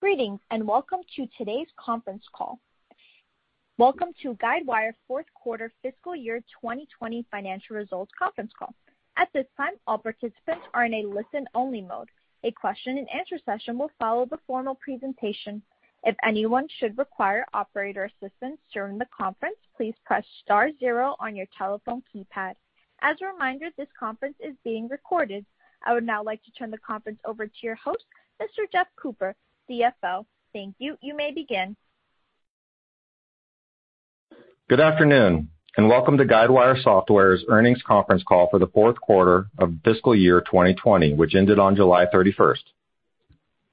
Welcome to Guidewire's Fourth Quarter Fiscal Year 2020 Financial Results Conference Call. At this time all participants are in a listen only mode. A question and answer session will follow the formal presentation. If anyone shouId require operator assisstance during the conference, please press star zero on your telephone keypad. As a reminder, this conference is being recorded. I would now like to turn the conference over to your host, Mr. Jeff Cooper, CFO. Thank you. You may begin. Good afternoon. Welcome to Guidewire Software's Earnings Conference Call for the Fourth Quarter of Fiscal Year 2020, which ended on July 31st.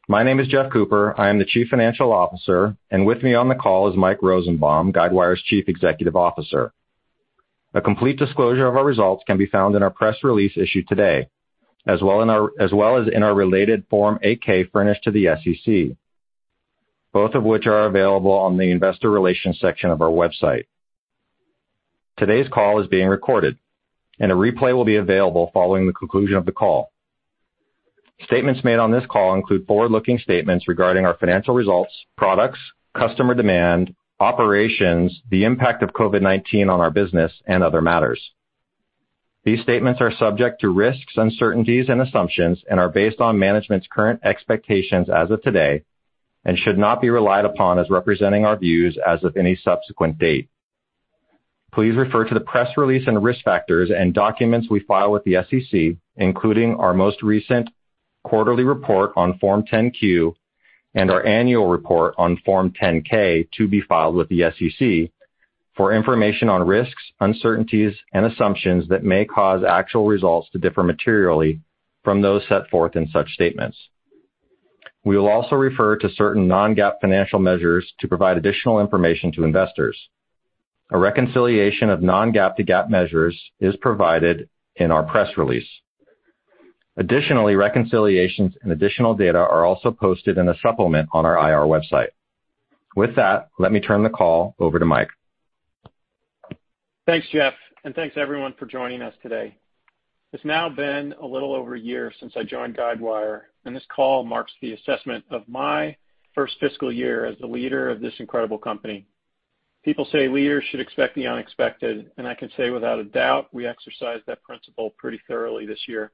My name is Jeff Cooper. I am the Chief Financial Officer. With me on the call is Mike Rosenbaum, Guidewire's Chief Executive Officer. A complete disclosure of our results can be found in our press release issued today, as well as in our related Form 8-K furnished to the SEC, both of which are available on the investor relations section of our website. Today's call is being recorded. A replay will be available following the conclusion of the call. Statements made on this call include forward-looking statements regarding our financial results, products, customer demand, operations, the impact of COVID-19 on our business, other matters. These statements are subject to risks, uncertainties and assumptions and are based on management's current expectations as of today and should not be relied upon as representing our views as of any subsequent date. Please refer to the press release and risk factors and documents we file with the SEC, including our most recent quarterly report on Form 10-Q and our annual report on Form 10-K to be filed with the SEC for information on risks, uncertainties, and assumptions that may cause actual results to differ materially from those set forth in such statements. We will also refer to certain non-GAAP financial measures to provide additional information to investors. A reconciliation of non-GAAP to GAAP measures is provided in our press release. Additionally, reconciliations and additional data are also posted in a supplement on our IR website. With that, let me turn the call over to Mike. Thanks, Jeff, and thanks, everyone, for joining us today. It's now been a little over a year since I joined Guidewire, and this call marks the assessment of my first fiscal year as the leader of this incredible company. People say leaders should expect the unexpected, and I can say without a doubt we exercised that principle pretty thoroughly this year.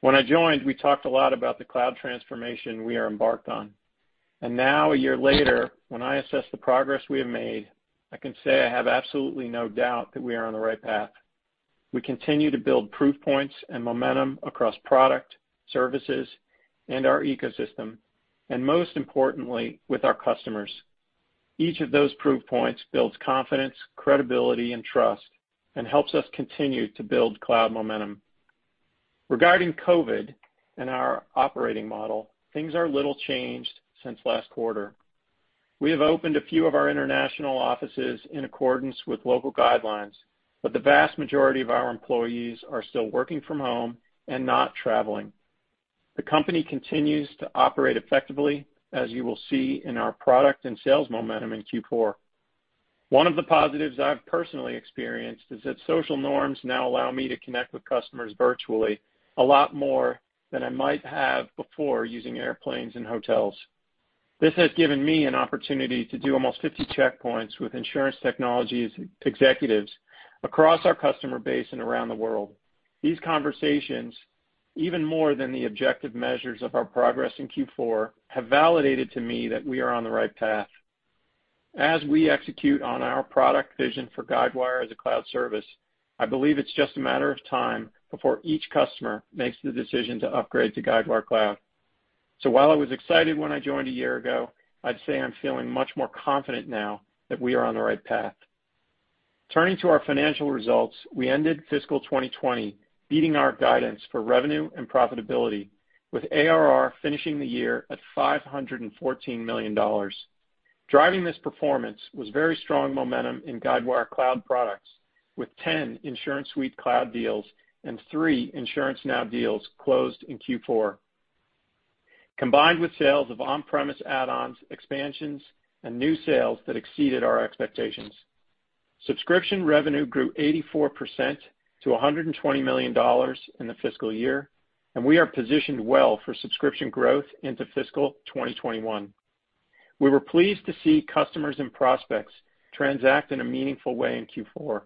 When I joined, we talked a lot about the cloud transformation we are embarked on, and now a year later, when I assess the progress we have made, I can say I have absolutely no doubt that we are on the right path. We continue to build proof points and momentum across product, services, and our ecosystem, and most importantly, with our customers. Each of those proof points builds confidence, credibility, and trust and helps us continue to build cloud momentum. Regarding COVID and our operating model, things are little changed since last quarter. We have opened a few of our international offices in accordance with local guidelines, the vast majority of our employees are still working from home and not traveling. The company continues to operate effectively as you will see in our product and sales momentum in Q4. One of the positives I've personally experienced is that social norms now allow me to connect with customers virtually a lot more than I might have before using airplanes and hotels. This has given me an opportunity to do almost 50 checkpoints with Insurtech executives across our customer base and around the world. These conversations, even more than the objective measures of our progress in Q4, have validated to me that we are on the right path. As we execute on our product vision for Guidewire as a cloud service, I believe it's just a matter of time before each customer makes the decision to upgrade to Guidewire Cloud. While I was excited when I joined a year ago, I'd say I'm feeling much more confident now that we are on the right path. Turning to our financial results, we ended fiscal 2020 beating our guidance for revenue and profitability with ARR finishing the year at $514 million. Driving this performance was very strong momentum in Guidewire Cloud products with 10 InsuranceSuite Cloud deals and three InsuranceNow deals closed in Q4, combined with sales of on-premise add-ons, expansions, and new sales that exceeded our expectations. Subscription revenue grew 84% to $120 million in the fiscal year, and we are positioned well for subscription growth into fiscal 2021. We were pleased to see customers and prospects transact in a meaningful way in Q4.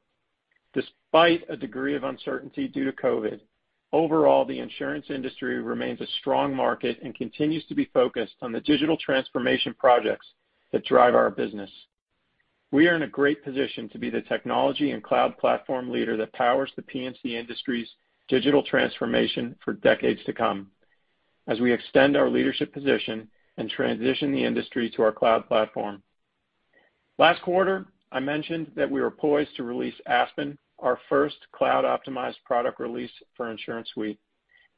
Despite a degree of uncertainty due to COVID-19, overall, the insurance industry remains a strong market and continues to be focused on the digital transformation projects that drive our business. We are in a great position to be the technology and cloud platform leader that powers the P&C industry's digital transformation for decades to come as we extend our leadership position and transition the industry to our cloud platform. Last quarter, I mentioned that we were poised to release Aspen, our first cloud-optimized product release for InsuranceSuite.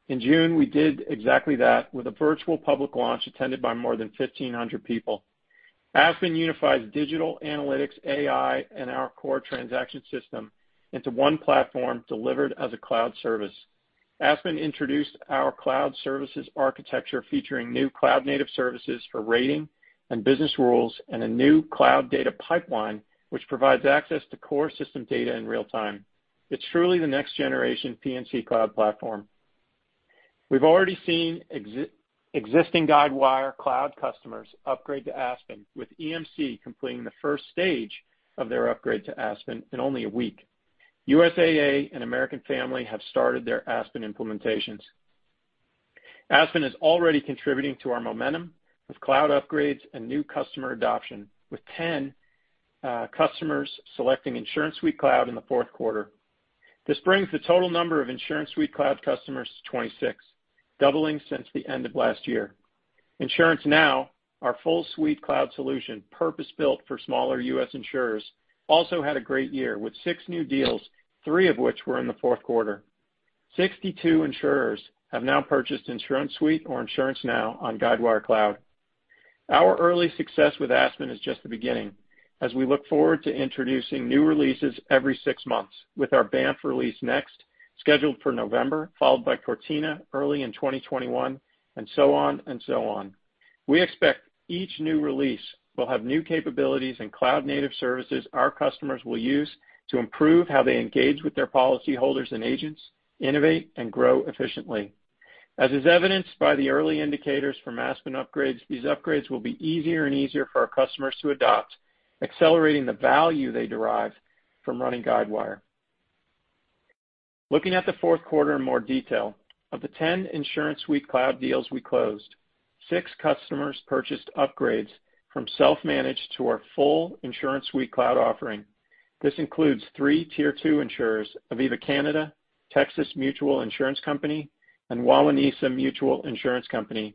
In June, we did exactly that with a virtual public launch attended by more than 1,500 people. Aspen unifies digital analytics, AI, and our core transaction system into one platform delivered as a cloud service. Aspen introduced our cloud services architecture featuring new cloud-native services for rating and business rules and a new cloud data pipeline, which provides access to core system data in real time. It's truly the next-generation P&C cloud platform. We've already seen existing Guidewire Cloud customers upgrade to Aspen, with EMC completing the first stage of their upgrade to Aspen in only a week. USAA and American Family have started their Aspen implementations. Aspen is already contributing to our momentum with cloud upgrades and new customer adoption, with 10 customers selecting InsuranceSuite Cloud in the fourth quarter. This brings the total number of InsuranceSuite Cloud customers to 26, doubling since the end of last year. InsuranceNow, our full suite cloud solution purpose-built for smaller U.S. insurers, also had a great year with six new deals, three of which were in the fourth quarter. 62 insurers have now purchased InsuranceSuite or InsuranceNow on Guidewire Cloud. Our early success with Aspen is just the beginning, as we look forward to introducing new releases every six months with our Banff release next, scheduled for November, followed by Cortina early in 2021, and so on. We expect each new release will have new capabilities and cloud-native services our customers will use to improve how they engage with their policyholders and agents, innovate, and grow efficiently. As is evidenced by the early indicators from Aspen upgrades, these upgrades will be easier and easier for our customers to adopt, accelerating the value they derive from running Guidewire. Looking at the fourth quarter in more detail, of the 10 InsuranceSuite Cloud deals we closed, six customers purchased upgrades from self-managed to our full InsuranceSuite Cloud offering. This includes three Tier 2 insurers, Aviva Canada, Texas Mutual Insurance Company, and Wawanesa Mutual Insurance Company,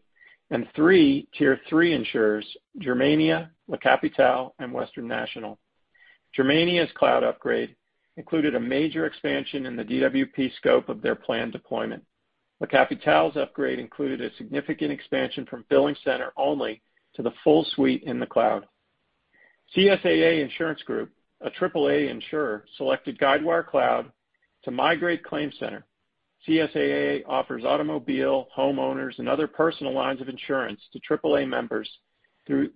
and three Tier 3 insurers, Germania, La Capitale, and Western National. Germania's cloud upgrade included a major expansion in the DWP scope of their planned deployment. La Capitale's upgrade included a significant expansion from BillingCenter only to the full suite in the cloud. CSAA Insurance Group, a AAA insurer, selected Guidewire Cloud to migrate ClaimCenter. CSAA offers automobile, homeowners, and other personal lines of insurance to AAA Members through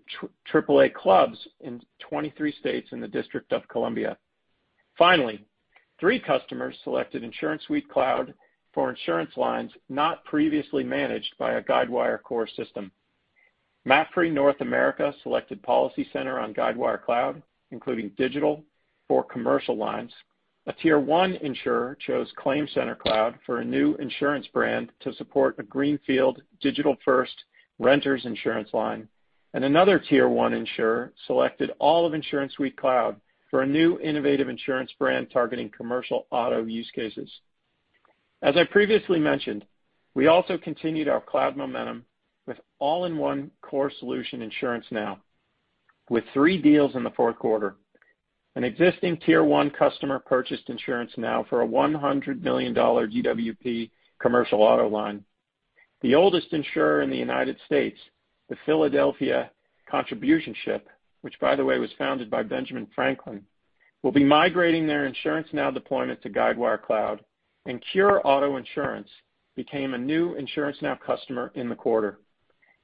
AAA clubs in 23 states and the District of Columbia. Finally, three customers selected InsuranceSuite Cloud for insurance lines not previously managed by a Guidewire core system. MAPFRE North America selected PolicyCenter on Guidewire Cloud, including Digital for commercial lines. A Tier 1 insurer chose ClaimCenter Cloud for a new insurance brand to support a greenfield, digital-first renters insurance line. Another Tier 1 insurer selected all of InsuranceSuite Cloud for a new innovative insurance brand targeting commercial auto use cases. As I previously mentioned, we also continued our cloud momentum with all-in-one core solution InsuranceNow, with three deals in the fourth quarter. An existing Tier 1 customer purchased InsuranceNow for a $100 million GWP commercial auto line. The oldest insurer in the U.S., The Philadelphia Contributionship, which by the way was founded by Benjamin Franklin, will be migrating their InsuranceNow deployment to Guidewire Cloud, and CURE Auto Insurance became a new InsuranceNow customer in the quarter.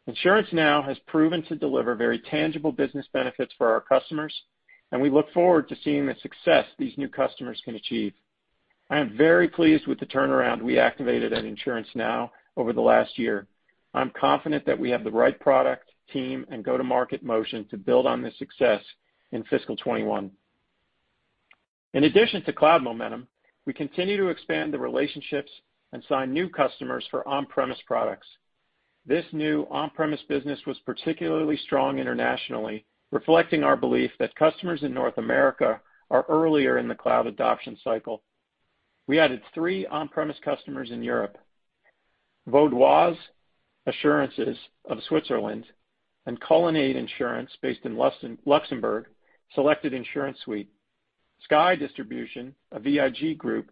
InsuranceNow has proven to deliver very tangible business benefits for our customers, and we look forward to seeing the success these new customers can achieve. I am very pleased with the turnaround we activated at InsuranceNow over the last year. I'm confident that we have the right product, team, and go-to-market motion to build on this success in fiscal 2021. In addition to cloud momentum, we continue to expand the relationships and sign new customers for on-premise products. This new on-premise business was particularly strong internationally, reflecting our belief that customers in North America are earlier in the cloud adoption cycle. We added three on-premise customers in Europe. Vaudoise Assurances of Switzerland and Colonnade Insurance based in Luxembourg selected InsuranceSuite. Sky Distribution, a VIG Group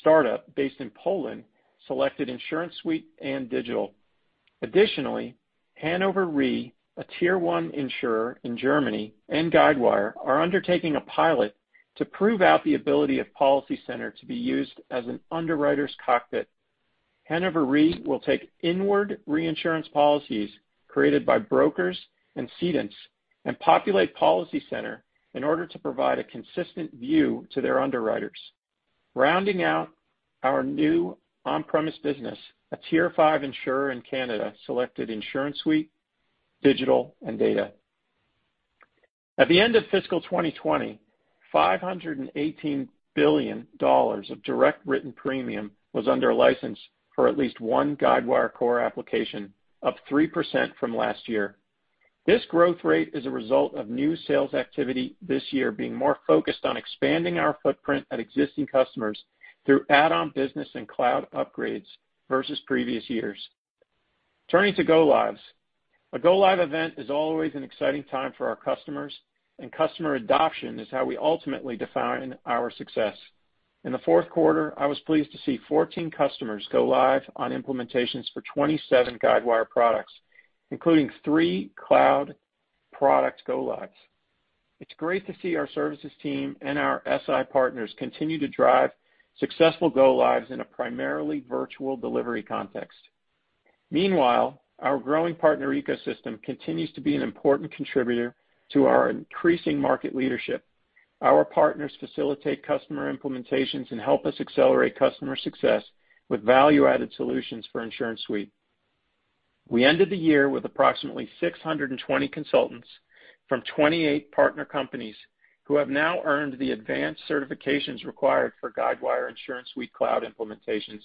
startup based in Poland, selected InsuranceSuite and Digital. Additionally, Hannover Re, a Tier 1 insurer in Germany, and Guidewire are undertaking a pilot to prove out the ability of PolicyCenter to be used as an underwriter's cockpit. Hannover Re will take inward reinsurance policies created by brokers and cedents and populate PolicyCenter in order to provide a consistent view to their underwriters. Rounding out our new on-premise business, a Tier 5 insurer in Canada selected InsuranceSuite, Digital, and Data. At the end of fiscal 2020, $518 billion of direct written premium was under license for at least one Guidewire core application, up 3% from last year. This growth rate is a result of new sales activity this year being more focused on expanding our footprint at existing customers through add-on business and cloud upgrades versus previous years. Turning to go-lives. A go-live event is always an exciting time for our customers, and customer adoption is how we ultimately define our success. In the fourth quarter, I was pleased to see 14 customers go live on implementations for 27 Guidewire products, including three cloud product go-lives. It's great to see our services team and our SI partners continue to drive successful go-lives in a primarily virtual delivery context. Meanwhile, our growing partner ecosystem continues to be an important contributor to our increasing market leadership. Our partners facilitate customer implementations and help us accelerate customer success with value-added solutions for InsuranceSuite. We ended the year with approximately 620 consultants from 28 partner companies who have now earned the advanced certifications required for Guidewire InsuranceSuite cloud implementations,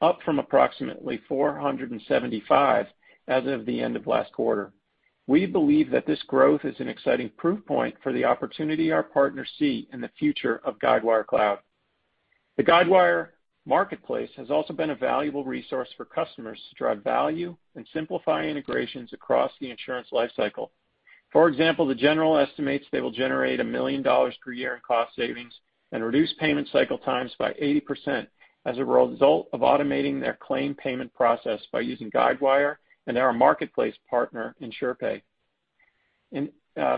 up from approximately 475 as of the end of last quarter. We believe that this growth is an exciting proof point for the opportunity our partners see in the future of Guidewire Cloud. The Guidewire marketplace has also been a valuable resource for customers to drive value and simplify integrations across the insurance lifecycle. For example, The General estimates they will generate $1 million per year in cost savings and reduce payment cycle times by 80% as a result of automating their claim payment process by using Guidewire and our marketplace partner, InsurePay. In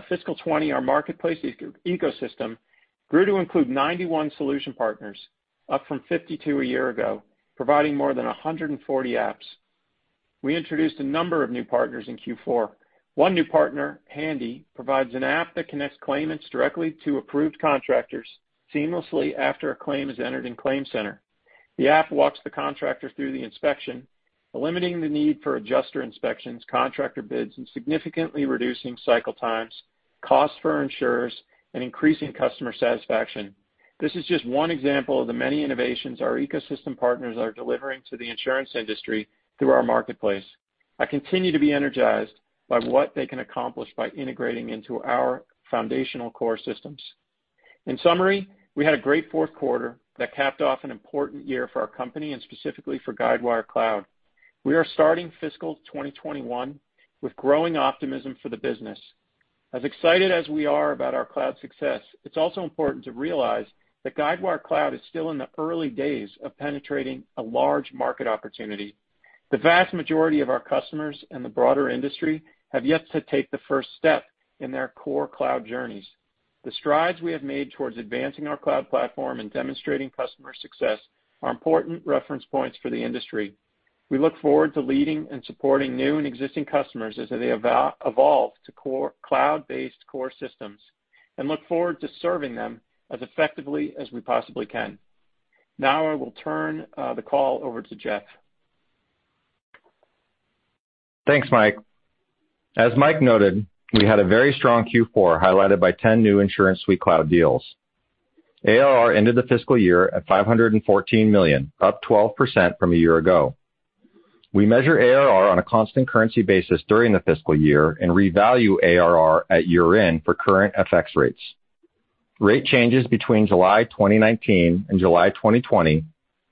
fiscal 2020, our marketplace ecosystem grew to include 91 solution partners, up from 52 a year ago, providing more than 140 apps. We introduced a number of new partners in Q4. One new partner, Handy, provides an app that connects claimants directly to approved contractors seamlessly after a claim is entered in ClaimCenter. The app walks the contractor through the inspection, eliminating the need for adjuster inspections, contractor bids, and significantly reducing cycle times, costs for insurers, and increasing customer satisfaction. This is just one example of the many innovations our ecosystem partners are delivering to the insurance industry through our marketplace. I continue to be energized by what they can accomplish by integrating into our foundational core systems. In summary, we had a great fourth quarter that capped off an important year for our company and specifically for Guidewire Cloud. We are starting fiscal 2021 with growing optimism for the business. As excited as we are about our cloud success, it is also important to realize that Guidewire Cloud is still in the early days of penetrating a large market opportunity. The vast majority of our customers and the broader industry have yet to take the first step in their core cloud journeys. The strides we have made towards advancing our cloud platform and demonstrating customer success are important reference points for the industry. We look forward to leading and supporting new and existing customers as they evolve to cloud-based core systems and look forward to serving them as effectively as we possibly can. I will turn the call over to Jeff. Thanks, Mike. As Mike noted, we had a very strong Q4, highlighted by 10 new InsuranceSuite cloud deals. ARR ended the fiscal year at $514 million, up 12% from a year ago. We measure ARR on a constant currency basis during the fiscal year and revalue ARR at year-end for current FX rates. Rate changes between July 2019 and July 2020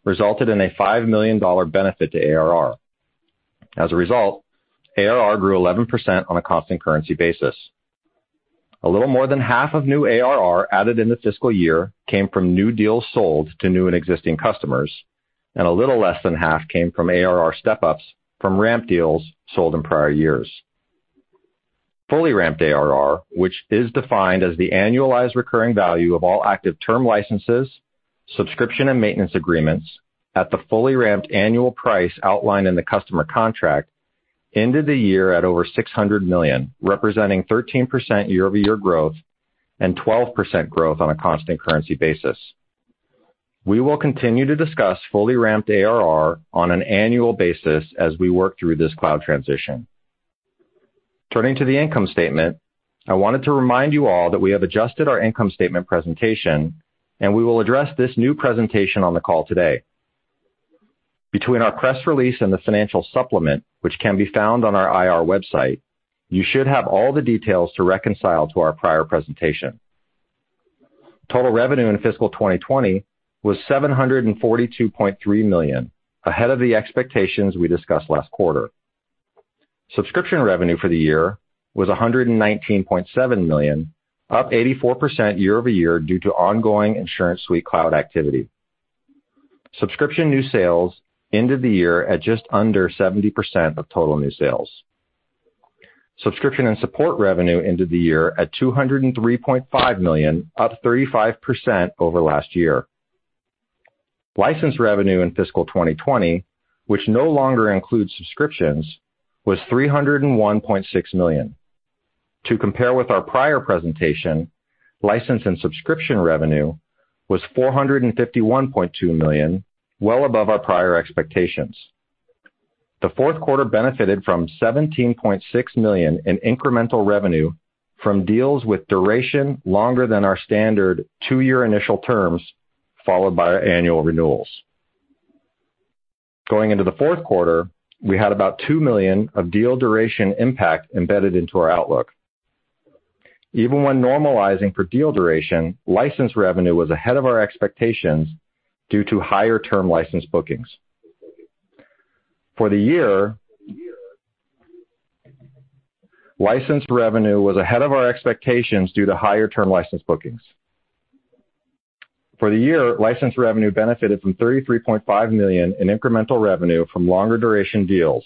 resulted in a $5 million benefit to ARR. ARR grew 11% on a constant currency basis. A little more than half of new ARR added in the fiscal year came from new deals sold to new and existing customers, and a little less than half came from ARR step-ups from ramp deals sold in prior years. Fully ramped ARR, which is defined as the annualized recurring value of all active term licenses, subscription, and maintenance agreements at the fully ramped annual price outlined in the customer contract, ended the year at over $600 million, representing 13% year-over-year growth and 12% growth on a constant currency basis. We will continue to discuss fully ramped ARR on an annual basis as we work through this cloud transition. Turning to the income statement, I wanted to remind you all that we have adjusted our income statement presentation, and we will address this new presentation on the call today. Between our press release and the financial supplement, which can be found on our IR website, you should have all the details to reconcile to our prior presentation. Total revenue in fiscal 2020 was $742.3 million, ahead of the expectations we discussed last quarter. Subscription revenue for the year was $119.7 million, up 84% year-over-year due to ongoing InsuranceSuite cloud activity. Subscription new sales ended the year at just under 70% of total new sales. Subscription and support revenue ended the year at $203.5 million, up 35% over last year. License revenue in fiscal 2020, which no longer includes subscriptions, was $301.6 million. To compare with our prior presentation, license and subscription revenue was $451.2 million, well above our prior expectations. The fourth quarter benefited from $17.6 million in incremental revenue from deals with duration longer than our standard two-year initial terms, followed by annual renewals. Going into the fourth quarter, we had about $2 million of deal duration impact embedded into our outlook. Even when normalizing for deal duration, license revenue was ahead of our expectations due to higher term license bookings. For the year, license revenue was ahead of our expectations due to higher term license bookings. For the year, license revenue benefited from $33.5 million in incremental revenue from longer duration deals.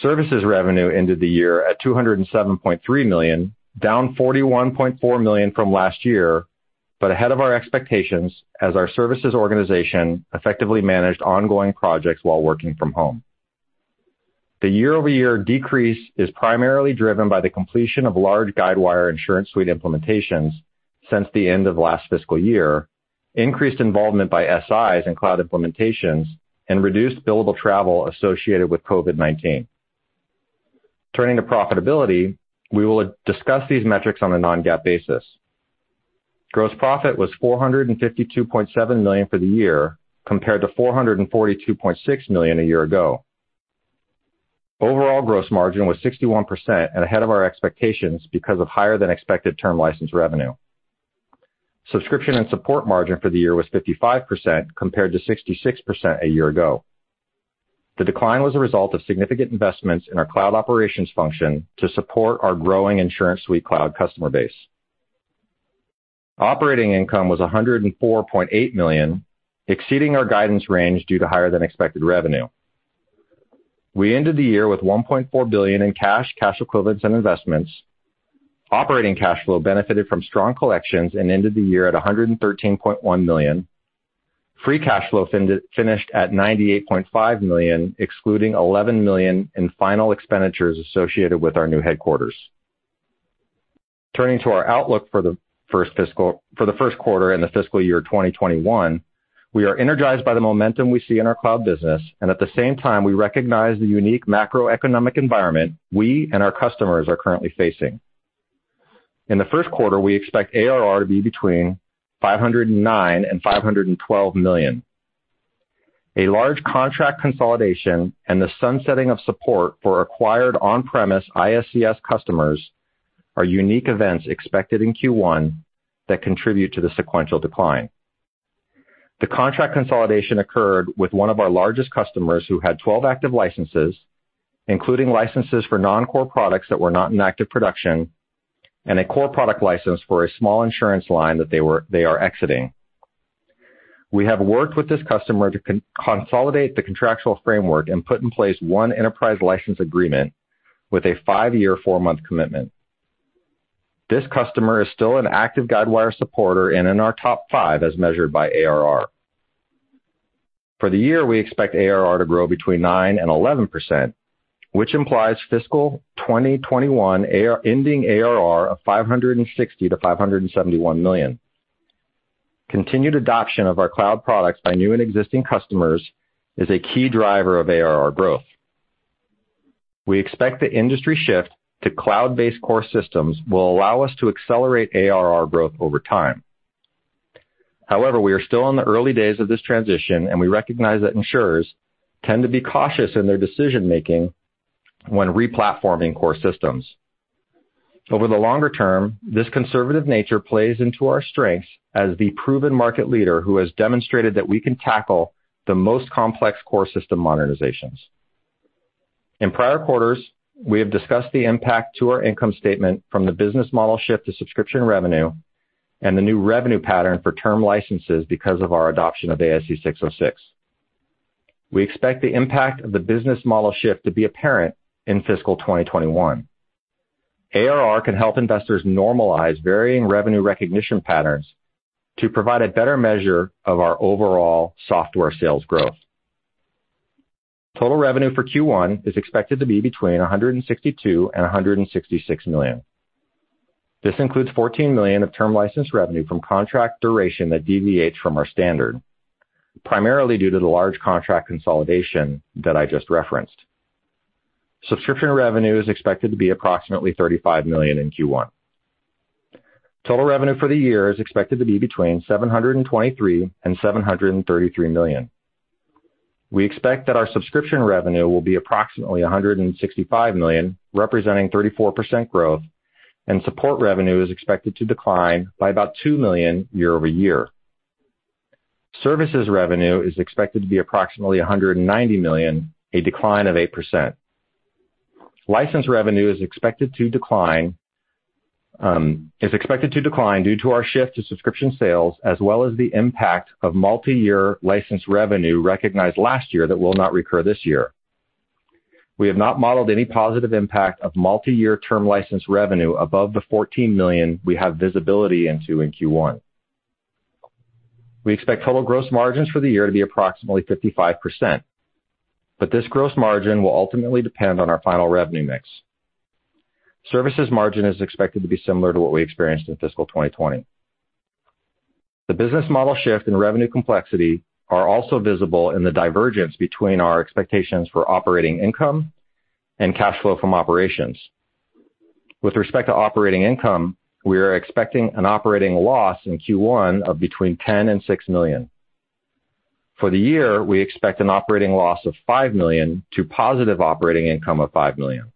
Services revenue ended the year at $207.3 million, down $41.4 million from last year. Ahead of our expectations as our services organization effectively managed ongoing projects while working from home. The year-over-year decrease is primarily driven by the completion of large Guidewire InsuranceSuite implementations since the end of last fiscal year, increased involvement by SIs in cloud implementations, and reduced billable travel associated with COVID-19. Turning to profitability, we will discuss these metrics on a non-GAAP basis. Gross profit was $452.7 million for the year compared to $442.6 million a year ago. Overall gross margin was 61% and ahead of our expectations because of higher than expected term license revenue. Subscription and support margin for the year was 55% compared to 66% a year ago. The decline was a result of significant investments in our Ccloud operations function to support our growing InsuranceSuite Cloud customer base. Operating income was $104.8 million, exceeding our guidance range due to higher than expected revenue. We ended the year with $1.4 billion in cash equivalents, and investments. Operating cash flow benefited from strong collections and ended the year at $113.1 million. Free cash flow finished at $98.5 million excluding $11 million in final expenditures associated with our new headquarters. Turning to our outlook for the first quarter and the fiscal year 2021, we are energized by the momentum we see in our Cloud business, and at the same time, we recognize the unique macroeconomic environment we and our customers are currently facing. In the first quarter, we expect ARR to be between $509 million and $512 million. A large contract consolidation and the sunsetting of support for acquired on-premise ISCS customers are unique events expected in Q1 that contribute to the sequential decline. The contract consolidation occurred with one of our largest customers who had 12 active licenses, including licenses for non-core products that were not in active production and a core product license for a small insurance line that they are exiting. We have worked with this customer to consolidate the contractual framework and put in place one enterprise license agreement with a five-year, four-month commitment. This customer is still an active Guidewire supporter and in our top five as measured by ARR. For the year, we expect ARR to grow between 9% and 11%, which implies fiscal 2021 ending ARR of $560 million-$571 million. Continued adoption of our cloud products by new and existing customers is a key driver of ARR growth. We expect the industry shift to cloud-based core systems will allow us to accelerate ARR growth over time. We are still in the early days of this transition, and we recognize that insurers tend to be cautious in their decision-making when replatforming core systems. Over the longer term, this conservative nature plays into our strengths as the proven market leader who has demonstrated that we can tackle the most complex core system modernizations. In prior quarters, we have discussed the impact to our income statement from the business model shift to subscription revenue and the new revenue pattern for term licenses because of our adoption of ASC 606. We expect the impact of the business model shift to be apparent in fiscal 2021. ARR can help investors normalize varying revenue recognition patterns to provide a better measure of our overall software sales growth. Total revenue for Q1 is expected to be between $162 million and $166 million. This includes $14 million of term license revenue from contract duration that deviates from our standard, primarily due to the large contract consolidation that I just referenced. Subscription revenue is expected to be approximately $35 million in Q1. Total revenue for the year is expected to be between $723 million and $733 million. We expect that our subscription revenue will be approximately $165 million, representing 34% growth, and support revenue is expected to decline by about $2 million year-over-year. Services revenue is expected to be approximately $190 million, a decline of 8%. License revenue is expected to decline due to our shift to subscription sales as well as the impact of multi-year license revenue recognized last year that will not recur this year. We have not modeled any positive impact of multi-year term license revenue above the $14 million we have visibility into in Q1. We expect total gross margins for the year to be approximately 55%, but this gross margin will ultimately depend on our final revenue mix. Services margin is expected to be similar to what we experienced in fiscal 2020. The business model shift and revenue complexity are also visible in the divergence between our expectations for operating income and cash flow from operations. With respect to operating income, we are expecting an operating loss in Q1 of between $10 million and $6 million. For the year, we expect an operating loss of $5 million to positive operating income of $5 million.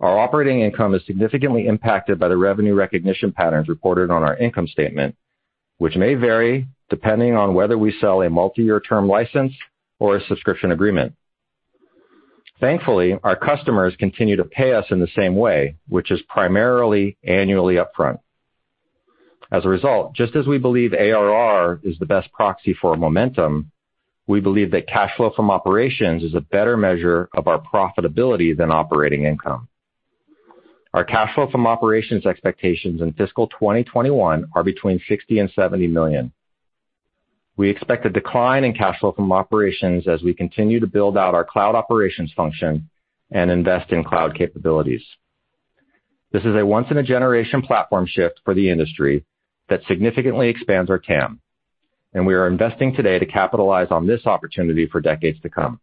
Our operating income is significantly impacted by the revenue recognition patterns reported on our income statement, which may vary depending on whether we sell a multi-year term license or a subscription agreement. Thankfully, our customers continue to pay us in the same way, which is primarily annually upfront. As a result, just as we believe ARR is the best proxy for momentum We believe that cash flow from operations is a better measure of our profitability than operating income. Our cash flow from operations expectations in fiscal 2021 are between $60 million and $70 million. We expect a decline in cash flow from operations as we continue to build out our cloud operations function and invest in cloud capabilities. This is a once-in-a-generation platform shift for the industry that significantly expands our TAM, and we are investing today to capitalize on this opportunity for decades to come.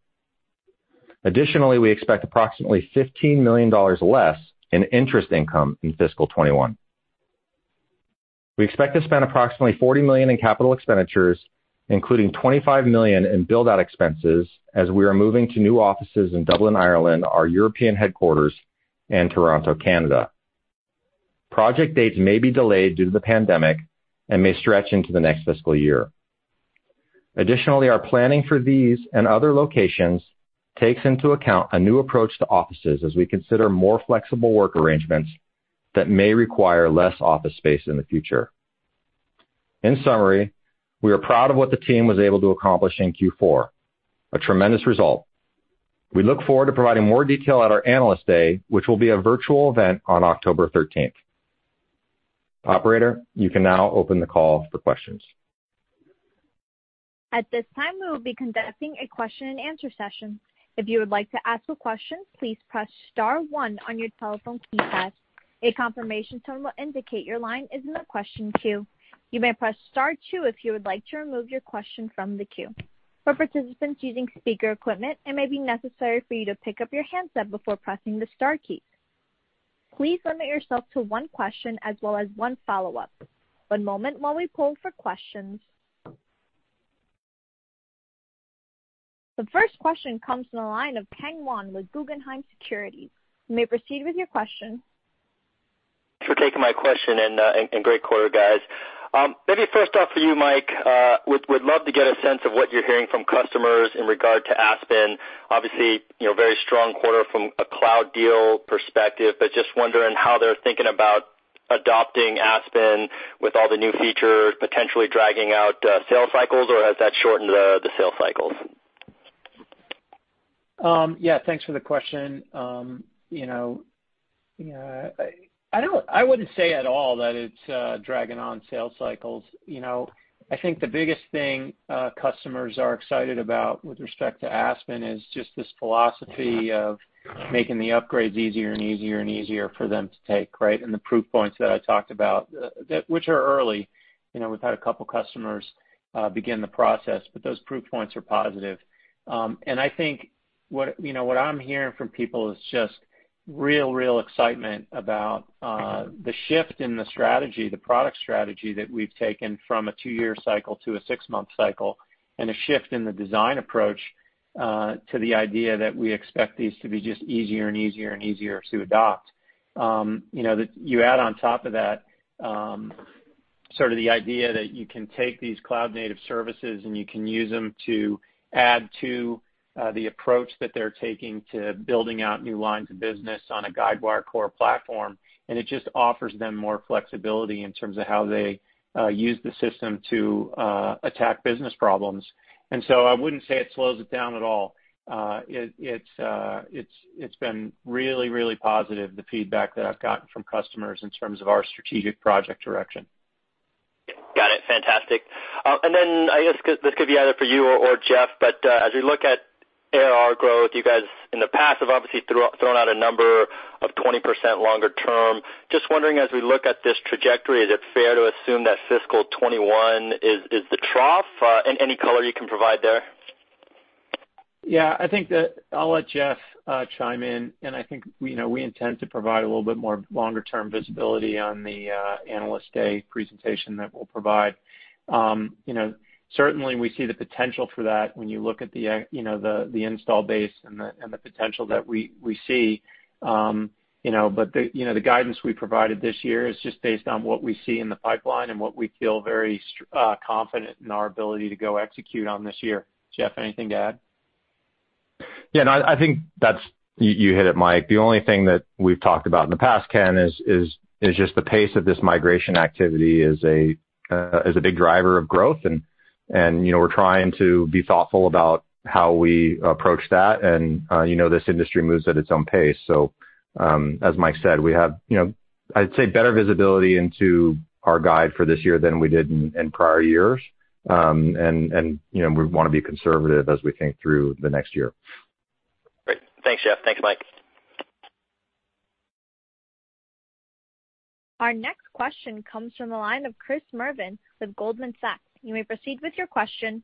Additionally, we expect approximately $15 million less in interest income in fiscal 2021. We expect to spend approximately $40 million in capital expenditures, including $25 million in build-out expenses as we are moving to new offices in Dublin, Ireland, our European headquarters, and Toronto, Canada. Project dates may be delayed due to the pandemic and may stretch into the next fiscal year. Additionally, our planning for these and other locations takes into account a new approach to offices as we consider more flexible work arrangements that may require less office space in the future. In summary, we are proud of what the team was able to accomplish in Q4, a tremendous result. We look forward to providing more detail at our Analyst Day, which will be a virtual event on October 13th. Operator, you can now open the call for questions. At this time, we will be conducting a question and answer session. If you would like to ask a question, please press star one on your telephone keypad. A confirmation tone will indicate your line is in the question queue. You may press star two if you would like to remove your question from the queue. For participants using speaker equipment, it may be necessary for you to pick up your handset before pressing the star keys. Please limit yourself to one question as well as one follow-up. One moment while we poll for questions. The first question comes from the line of Ken Wong with Guggenheim Securities. You may proceed with your question. Thanks for taking my question and great quarter, guys. Maybe first off for you, Mike, would love to get a sense of what you're hearing from customers in regard to Aspen. Obviously, very strong quarter from a cloud deal perspective, but just wondering how they're thinking about adopting Aspen with all the new features potentially dragging out sales cycles, or has that shortened the sales cycles? Yeah, thanks for the question. I wouldn't say at all that it's dragging on sales cycles. I think the biggest thing customers are excited about with respect to Aspen is just this philosophy of making the upgrades easier and easier and easier for them to take, right? The proof points that I talked about, which are early. We've had a couple of customers begin the process, but those proof points are positive. I think what I'm hearing from people is just real excitement about the shift in the strategy, the product strategy that we've taken from a two-year cycle to a six-month cycle, and a shift in the design approach to the idea that we expect these to be just easier and easier and easier to adopt. You add on top of that sort of the idea that you can take these cloud-native services and you can use them to add to the approach that they're taking to building out new lines of business on a Guidewire core platform, and it just offers them more flexibility in terms of how they use the system to attack business problems. I wouldn't say it slows it down at all. It's been really positive, the feedback that I've gotten from customers in terms of our strategic project direction. Got it. Fantastic. I guess this could be either for you or Jeff, but as we look at ARR growth, you guys, in the past, have obviously thrown out a number of 20% longer term. Just wondering, as we look at this trajectory, is it fair to assume that fiscal 2021 is the trough? Any color you can provide there? Yeah, I think that I'll let Jeff chime in, and I think we intend to provide a little bit more longer-term visibility on the Analyst Day presentation that we'll provide. Certainly, we see the potential for that when you look at the install base and the potential that we see. The guidance we provided this year is just based on what we see in the pipeline and what we feel very confident in our ability to go execute on this year. Jeff, anything to add? Yeah, no, I think you hit it, Mike. The only thing that we've talked about in the past, Ken, is just the pace of this migration activity is a big driver of growth, and we're trying to be thoughtful about how we approach that. This industry moves at its own pace. As Mike said, we have, I'd say, better visibility into our guide for this year than we did in prior years. We want to be conservative as we think through the next year. Great. Thanks, Jeff. Thanks, Mike. Our next question comes from the line of Chris Merwin with Goldman Sachs. You may proceed with your question.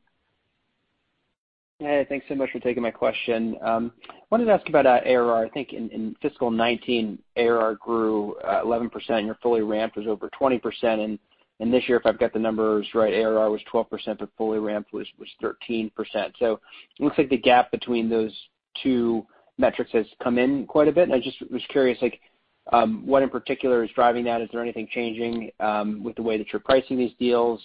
Hey, thanks so much for taking my question. I wanted to ask about ARR. I think in fiscal 2019, ARR grew 11%, and your fully ramped was over 20%. This year, if I've got the numbers right, ARR was 12%, but fully ramped was 13%. It looks like the gap between those two metrics has come in quite a bit, and I just was curious, what in particular is driving that? Is there anything changing with the way that you're pricing these deals?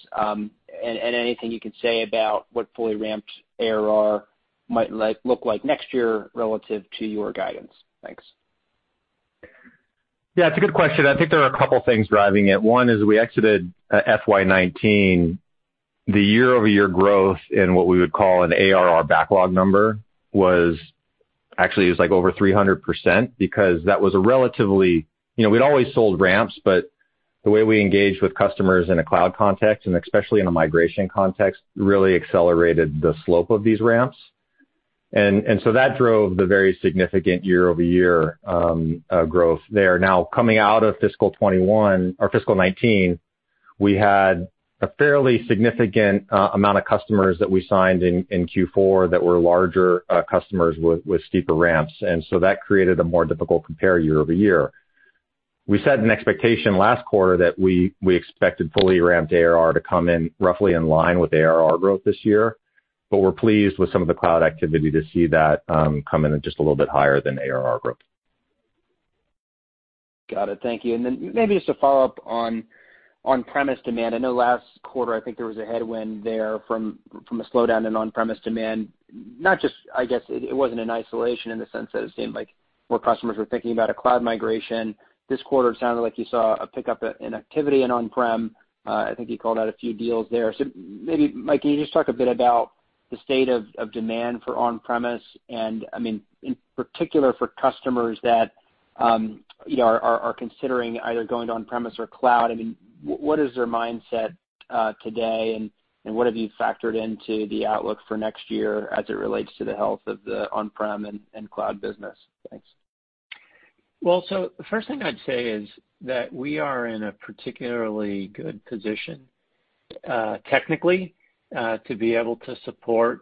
Anything you can say about what fully ramped ARR might look like next year relative to your guidance? Thanks. Yeah, it's a good question. I think there are a couple things driving it. One is we exited FY 2019, the year-over-year growth in what we would call an ARR backlog number was actually over 300%. We'd always sold ramps, but the way we engaged with customers in a cloud context, and especially in a migration context, really accelerated the slope of these ramps. That drove the very significant year-over-year growth there. Now, coming out of fiscal 2019, we had a fairly significant amount of customers that we signed in Q4 that were larger customers with steeper ramps, that created a more difficult compare year-over-year. We set an expectation last quarter that we expected fully ramped ARR to come in roughly in line with ARR growth this year, but we're pleased with some of the cloud activity to see that come in at just a little bit higher than ARR growth. Got it. Thank you. Then maybe just to follow up on on-premise demand. I know last quarter, I think there was a headwind there from a slowdown in on-premise demand. I guess it wasn't in isolation in the sense that it seemed like more customers were thinking about a cloud migration. This quarter, it sounded like you saw a pickup in activity in on-prem. I think you called out a few deals there. Maybe, Mike, can you just talk a bit about the state of demand for on-premise and, in particular, for customers that are considering either going to on-premise or cloud. What is their mindset today, and what have you factored into the outlook for next year as it relates to the health of the on-prem and cloud business? Thanks. The first thing I'd say is that we are in a particularly good position, technically, to be able to support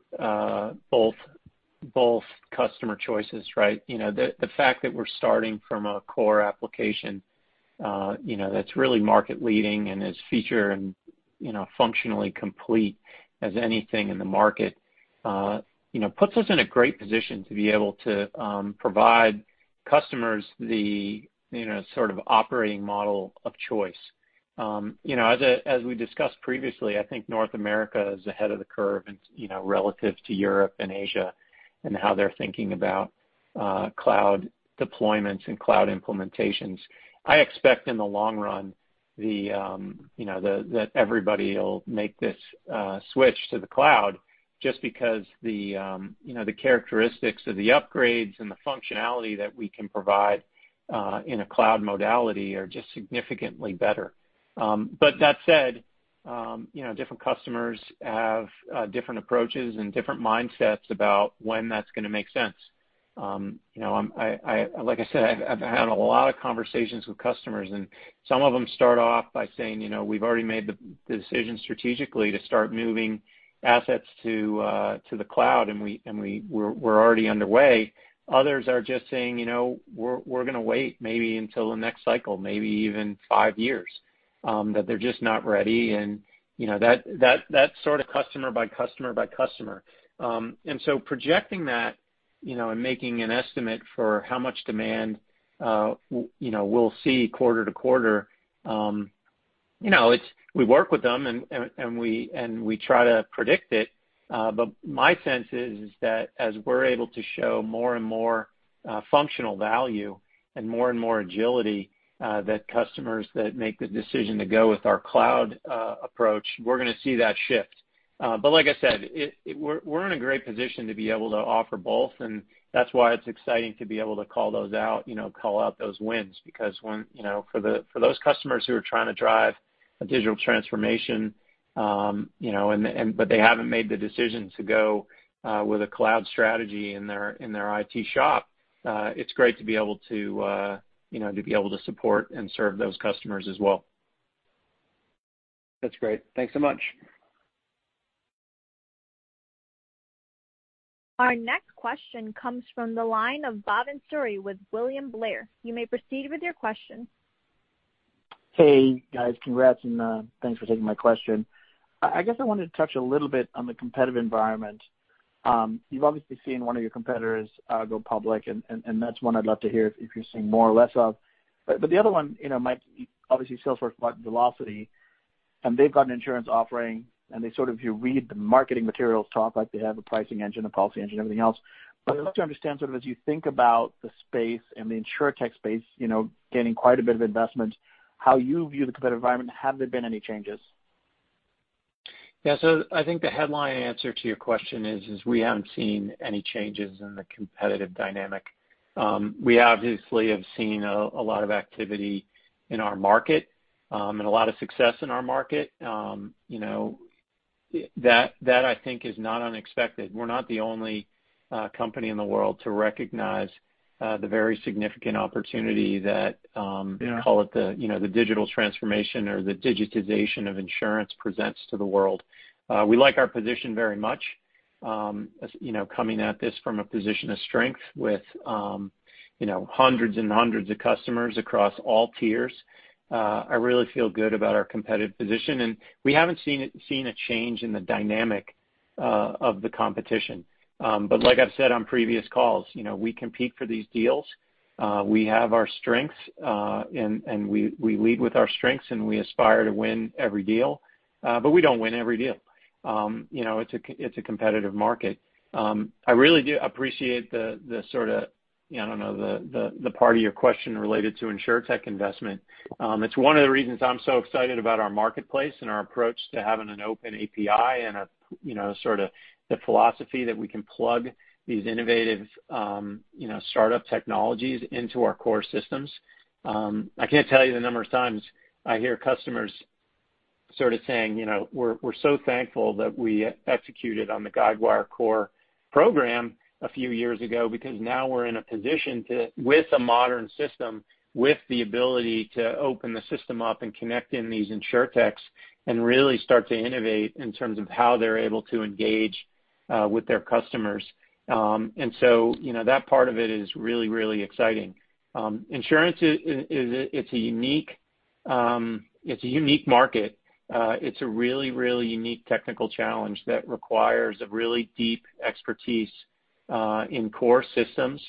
both customer choices, right? The fact that we're starting from a core application that's really market-leading and as feature and functionally complete as anything in the market puts us in a great position to be able to provide customers the sort of operating model of choice. As we discussed previously, I think North America is ahead of the curve relative to Europe and Asia in how they're thinking about cloud deployments and cloud implementations. I expect in the long run that everybody will make this switch to the cloud just because the characteristics of the upgrades and the functionality that we can provide in a cloud modality are just significantly better. That said, different customers have different approaches and different mindsets about when that's going to make sense. Like I said, I've had a lot of conversations with customers, and some of them start off by saying, "We've already made the decision strategically to start moving assets to the cloud, and we're already underway." Others are just saying, "We're going to wait maybe until the next cycle," maybe even five years, that they're just not ready, and that's sort of customer by customer by customer. Projecting that and making an estimate for how much demand we'll see quarter to quarter, we work with them and we try to predict it. My sense is that as we're able to show more and more functional value and more and more agility that customers that make the decision to go with our cloud approach, we're going to see that shift. Like I said, we're in a great position to be able to offer both, and that's why it's exciting to be able to call out those wins because for those customers who are trying to drive a digital transformation but they haven't made the decision to go with a cloud strategy in their IT shop, it's great to be able to support and serve those customers as well. That's great. Thanks so much. Our next question comes from the line of Bhavan Suri with William Blair. You may proceed with your question. Hey, guys. Congrats and thanks for taking my question. I guess I wanted to touch a little bit on the competitive environment. You've obviously seen one of your competitors go public, and that's one I'd love to hear if you're seeing more or less of. The other one, Mike, obviously Salesforce bought Vlocity, and they've got an insurance offering, and they sort of, if you read the marketing materials, talk like they have a pricing engine, a policy engine, everything else. I'd love to understand sort of as you think about the space and the Insurtech space getting quite a bit of investment, how you view the competitive environment. Have there been any changes? Yeah. I think the headline answer to your question is we haven't seen any changes in the competitive dynamic. We obviously have seen a lot of activity in our market and a lot of success in our market. That, I think, is not unexpected. We're not the only company in the world to recognize the very significant opportunity. Yeah call it the digital transformation or the digitization of insurance presents to the world. We like our position very much. Coming at this from a position of strength with hundreds and hundreds of customers across all tiers, I really feel good about our competitive position, and we haven't seen a change in the dynamic of the competition. Like I've said on previous calls, we compete for these deals. We have our strengths, and we lead with our strengths, and we aspire to win every deal. We don't win every deal. It's a competitive market. I really do appreciate the sort of, I don't know, the part of your question related to Insurtech investment. It's one of the reasons I'm so excited about our marketplace and our approach to having an open API and sort of the philosophy that we can plug these innovative startup technologies into our core systems. I can't tell you the number of times I hear customers sort of saying, "We're so thankful that we executed on the Guidewire Core program a few years ago, because now we're in a position, with a modern system, with the ability to open the system up and connect in these Insurtechs and really start to innovate in terms of how they're able to engage with their customers." That part of it is really, really exciting. Insurance, it's a unique market. It's a really, really unique technical challenge that requires a really deep expertise in core systems.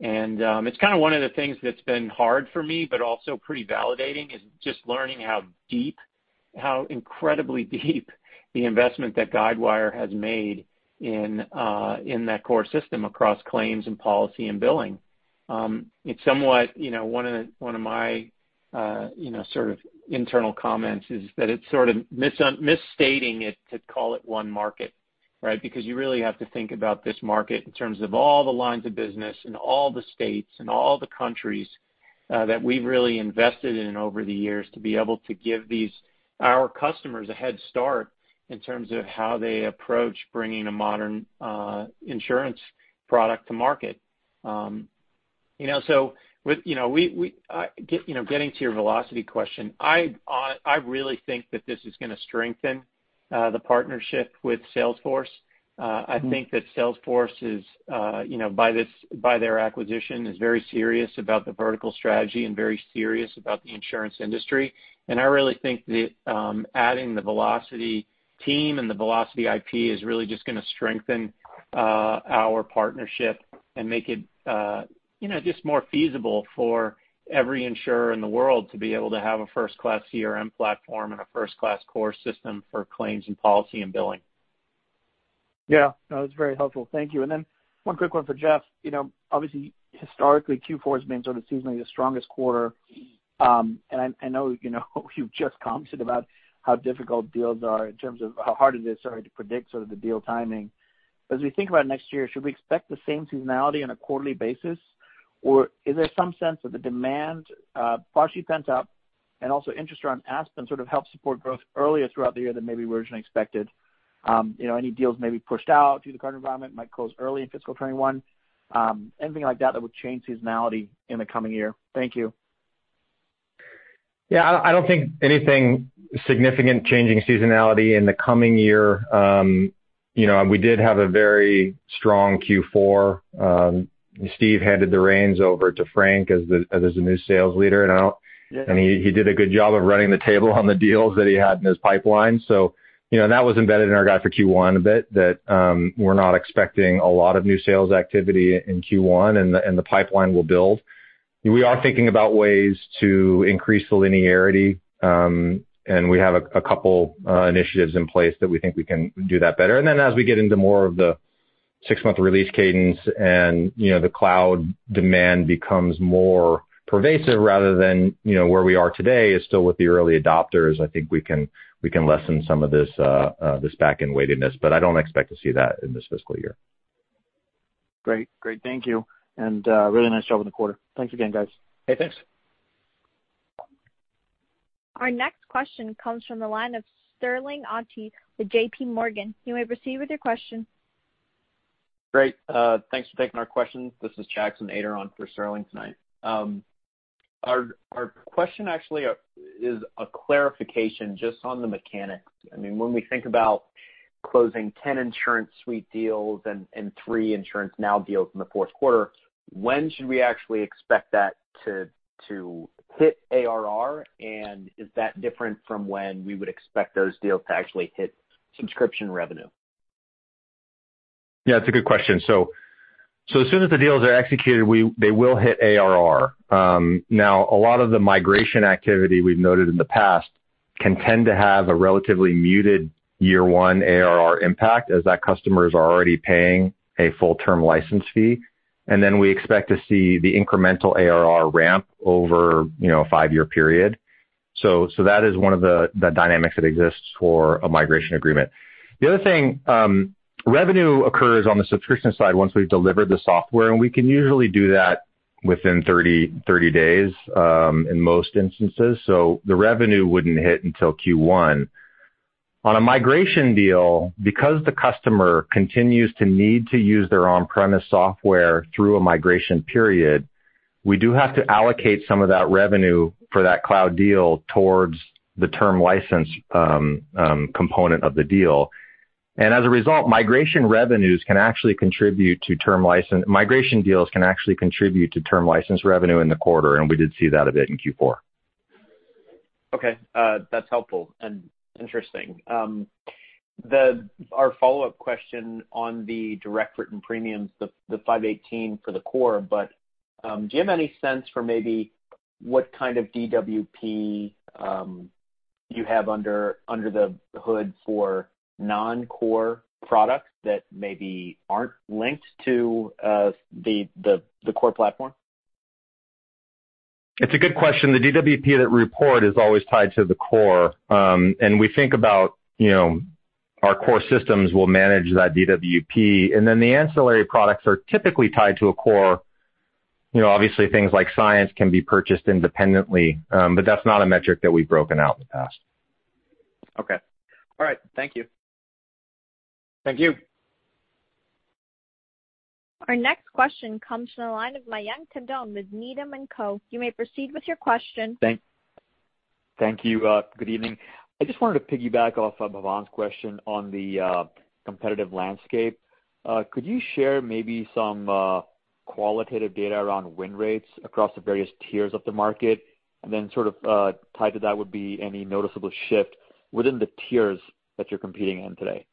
It's kind of one of the things that's been hard for me, but also pretty validating, is just learning how incredibly deep the investment that Guidewire has made in that core system across claims and policy and billing. One of my sort of internal comments is that it's sort of misstating it to call it one market, right? Because you really have to think about this market in terms of all the lines of business and all the states and all the countries that we've really invested in over the years to be able to give our customers a head start in terms of how they approach bringing a modern insurance product to market. Getting to your Vlocity question, I really think that this is going to strengthen the partnership with Salesforce. I think that Salesforce, by their acquisition, is very serious about the vertical strategy and very serious about the insurance industry. I really think that adding the Vlocity team and the Vlocity IP is really just going to strengthen our partnership and make it just more feasible for every insurer in the world to be able to have a first-class CRM platform and a first-class core system for claims and policy and billing. Yeah, no, that's very helpful. Thank you. Then one quick one for Jeff. Obviously, historically, Q4 has been sort of seasonally the strongest quarter. I know you've just commented about how difficult deals are in terms of how hard it is to predict sort of the deal timing. We think about next year, should we expect the same seasonality on a quarterly basis, or is there some sense that the demand, balance sheet pent up and also interest around Aspen sort of help support growth earlier throughout the year than maybe we originally expected? Any deals may be pushed out due to the current environment, might close early in fiscal 2021? Anything like that that would change seasonality in the coming year? Thank you. I don't think anything significant changing seasonality in the coming year. We did have a very strong Q4. Steve handed the reins over to Frank as the new sales leader, and he did a good job of running the table on the deals that he had in his pipeline. That was embedded in our guide for Q1 a bit, that we're not expecting a lot of new sales activity in Q1 and the pipeline will build. We are thinking about ways to increase the linearity, and we have a couple initiatives in place that we think we can do that better. Then as we get into more of the six-month release cadence and the cloud demand becomes more pervasive rather than where we are today is still with the early adopters, I think we can lessen some of this backend weightedness. I don't expect to see that in this fiscal year. Great. Thank you. Really nice job in the quarter. Thanks again, guys. Hey, thanks. Our next question comes from the line of Sterling Auty with JPMorgan. You may proceed with your question. Great. Thanks for taking our questions. This is Jackson Ader on for Sterling tonight. Our question actually is a clarification just on the mechanics. When we think about closing 10 InsuranceSuite deals and three InsuranceNow deals in the fourth quarter, when should we actually expect that to hit ARR? Is that different from when we would expect those deals to actually hit subscription revenue? It's a good question. As soon as the deals are executed, they will hit ARR. A lot of the migration activity we've noted in the past can tend to have a relatively muted year one ARR impact, as that customer is already paying a full-term license fee. We expect to see the incremental ARR ramp over a five-year period. That is one of the dynamics that exists for a migration agreement. The other thing, revenue occurs on the subscription side once we've delivered the software, and we can usually do that within 30 days in most instances. The revenue wouldn't hit until Q1. On a migration deal, because the customer continues to need to use their on-premise software through a migration period, we do have to allocate some of that revenue for that cloud deal towards the term license component of the deal. As a result, migration deals can actually contribute to term license revenue in the quarter, and we did see that a bit in Q4. Okay. That's helpful and interesting. Our follow-up question on the direct written premiums, the 518 for the core, do you have any sense for maybe what kind of DWP you have under the hood for non-core products that maybe aren't linked to the core platform? It's a good question. The DWP report is always tied to the core. We think about our core systems will manage that DWP, and then the ancillary products are typically tied to a core. Obviously, things like Cyence can be purchased independently, but that's not a metric that we've broken out in the past. Okay. All right. Thank you. Thank you. Our next question comes from the line of Mayank Tandon with Needham & Co. You may proceed with your question. Thank you. Good evening. I just wanted to piggyback off Bhavan's question on the competitive landscape. Could you share maybe some qualitative data around win rates across the various tiers of the market? Tied to that would be any noticeable shift within the tiers that you're competing in today.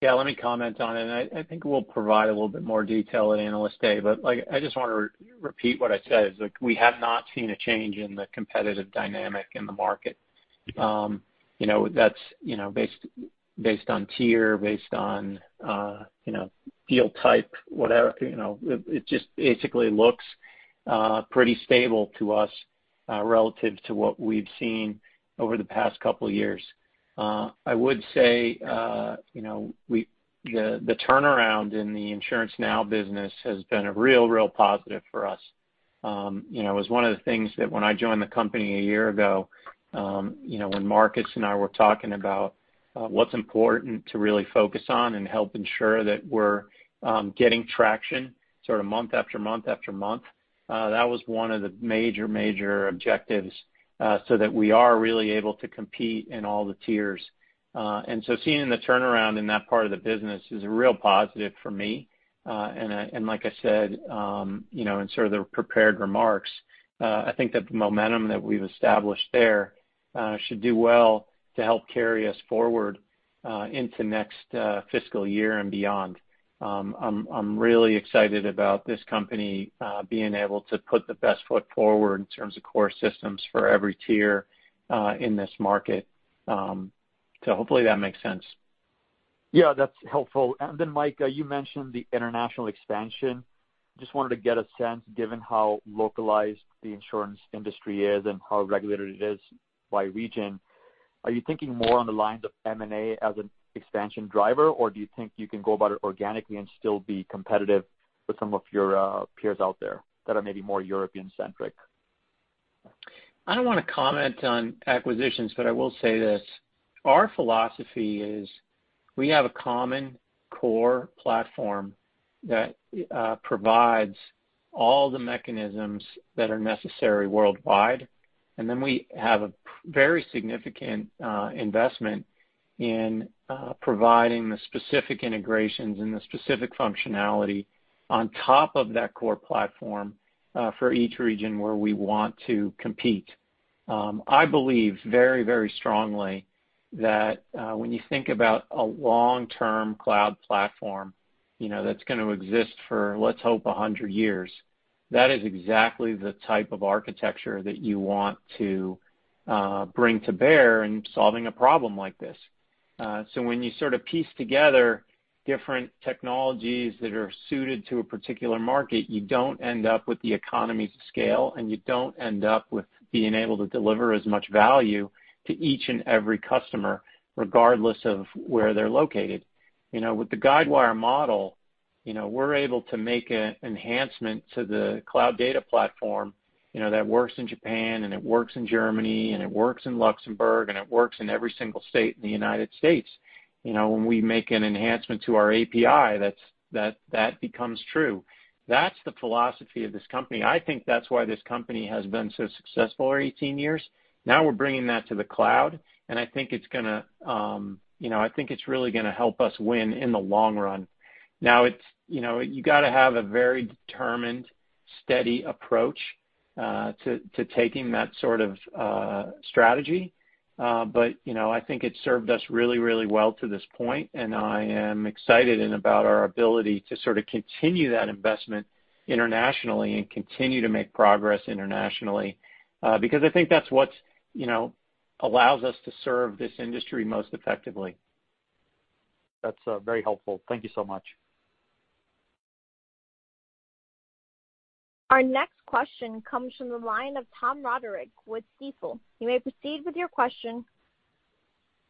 Let me comment on it. I think we'll provide a little bit more detail at Analyst Day, but I just want to repeat what I said, is we have not seen a change in the competitive dynamic in the market. That's based on tier, based on field type, whatever. It just basically looks pretty stable to us relative to what we've seen over the past couple of years. I would say the turnaround in the InsuranceNow business has been a real positive for us. It was one of the things that when I joined the company a year ago, when Marcus and I were talking about what's important to really focus on and help ensure that we're getting traction month after month after month, that was one of the major objectives so that we are really able to compete in all the tiers. Seeing the turnaround in that part of the business is a real positive for me. Like I said in the prepared remarks, I think that the momentum that we've established there should do well to help carry us forward into next fiscal year and beyond. I'm really excited about this company being able to put the best foot forward in terms of core systems for every tier in this market. Hopefully that makes sense. Yeah, that's helpful. Mike, you mentioned the international expansion. Just wanted to get a sense, given how localized the insurance industry is and how regulated it is by region, are you thinking more on the lines of M&A as an expansion driver, or do you think you can go about it organically and still be competitive with some of your peers out there that are maybe more European-centric? I don't want to comment on acquisitions. I will say this. Our philosophy is we have a common core platform that provides all the mechanisms that are necessary worldwide. We have a very significant investment in providing the specific integrations and the specific functionality on top of that core platform for each region where we want to compete. I believe very strongly that when you think about a long-term cloud platform that's going to exist for, let's hope, 100 years, that is exactly the type of architecture that you want to bring to bear in solving a problem like this. When you piece together different technologies that are suited to a particular market, you don't end up with the economies of scale and you don't end up with being able to deliver as much value to each and every customer, regardless of where they're located. With the Guidewire model, we're able to make an enhancement to the Guidewire Data Platform that works in Japan and it works in Germany and it works in Luxembourg and it works in every single state in the United States. When we make an enhancement to our API, that becomes true. That's the philosophy of this company. I think that's why this company has been so successful for 18 years. Now we're bringing that to the cloud, and I think it's really going to help us win in the long run. Now, you got to have a very determined, steady approach to taking that sort of strategy, but I think it's served us really well to this point and I am excited about our ability to continue that investment internationally and continue to make progress internationally because I think that's what allows us to serve this industry most effectively. That's very helpful. Thank you so much. Our next question comes from the line of Tom Roderick with Stifel. You may proceed with your question.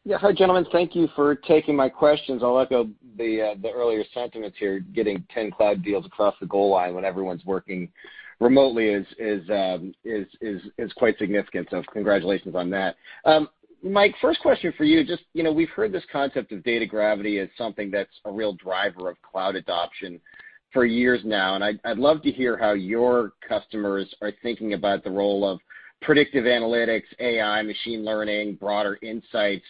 Yeah. Hi, gentlemen. Thank you for taking my questions. I'll echo the earlier sentiments here. Getting 10 cloud deals across the goal line when everyone's working remotely is quite significant, so congratulations on that. Mike, first question for you. We've heard this concept of data gravity as something that's a real driver of cloud adoption for years now, and I'd love to hear how your customers are thinking about the role of predictive analytics, AI, machine learning, broader insights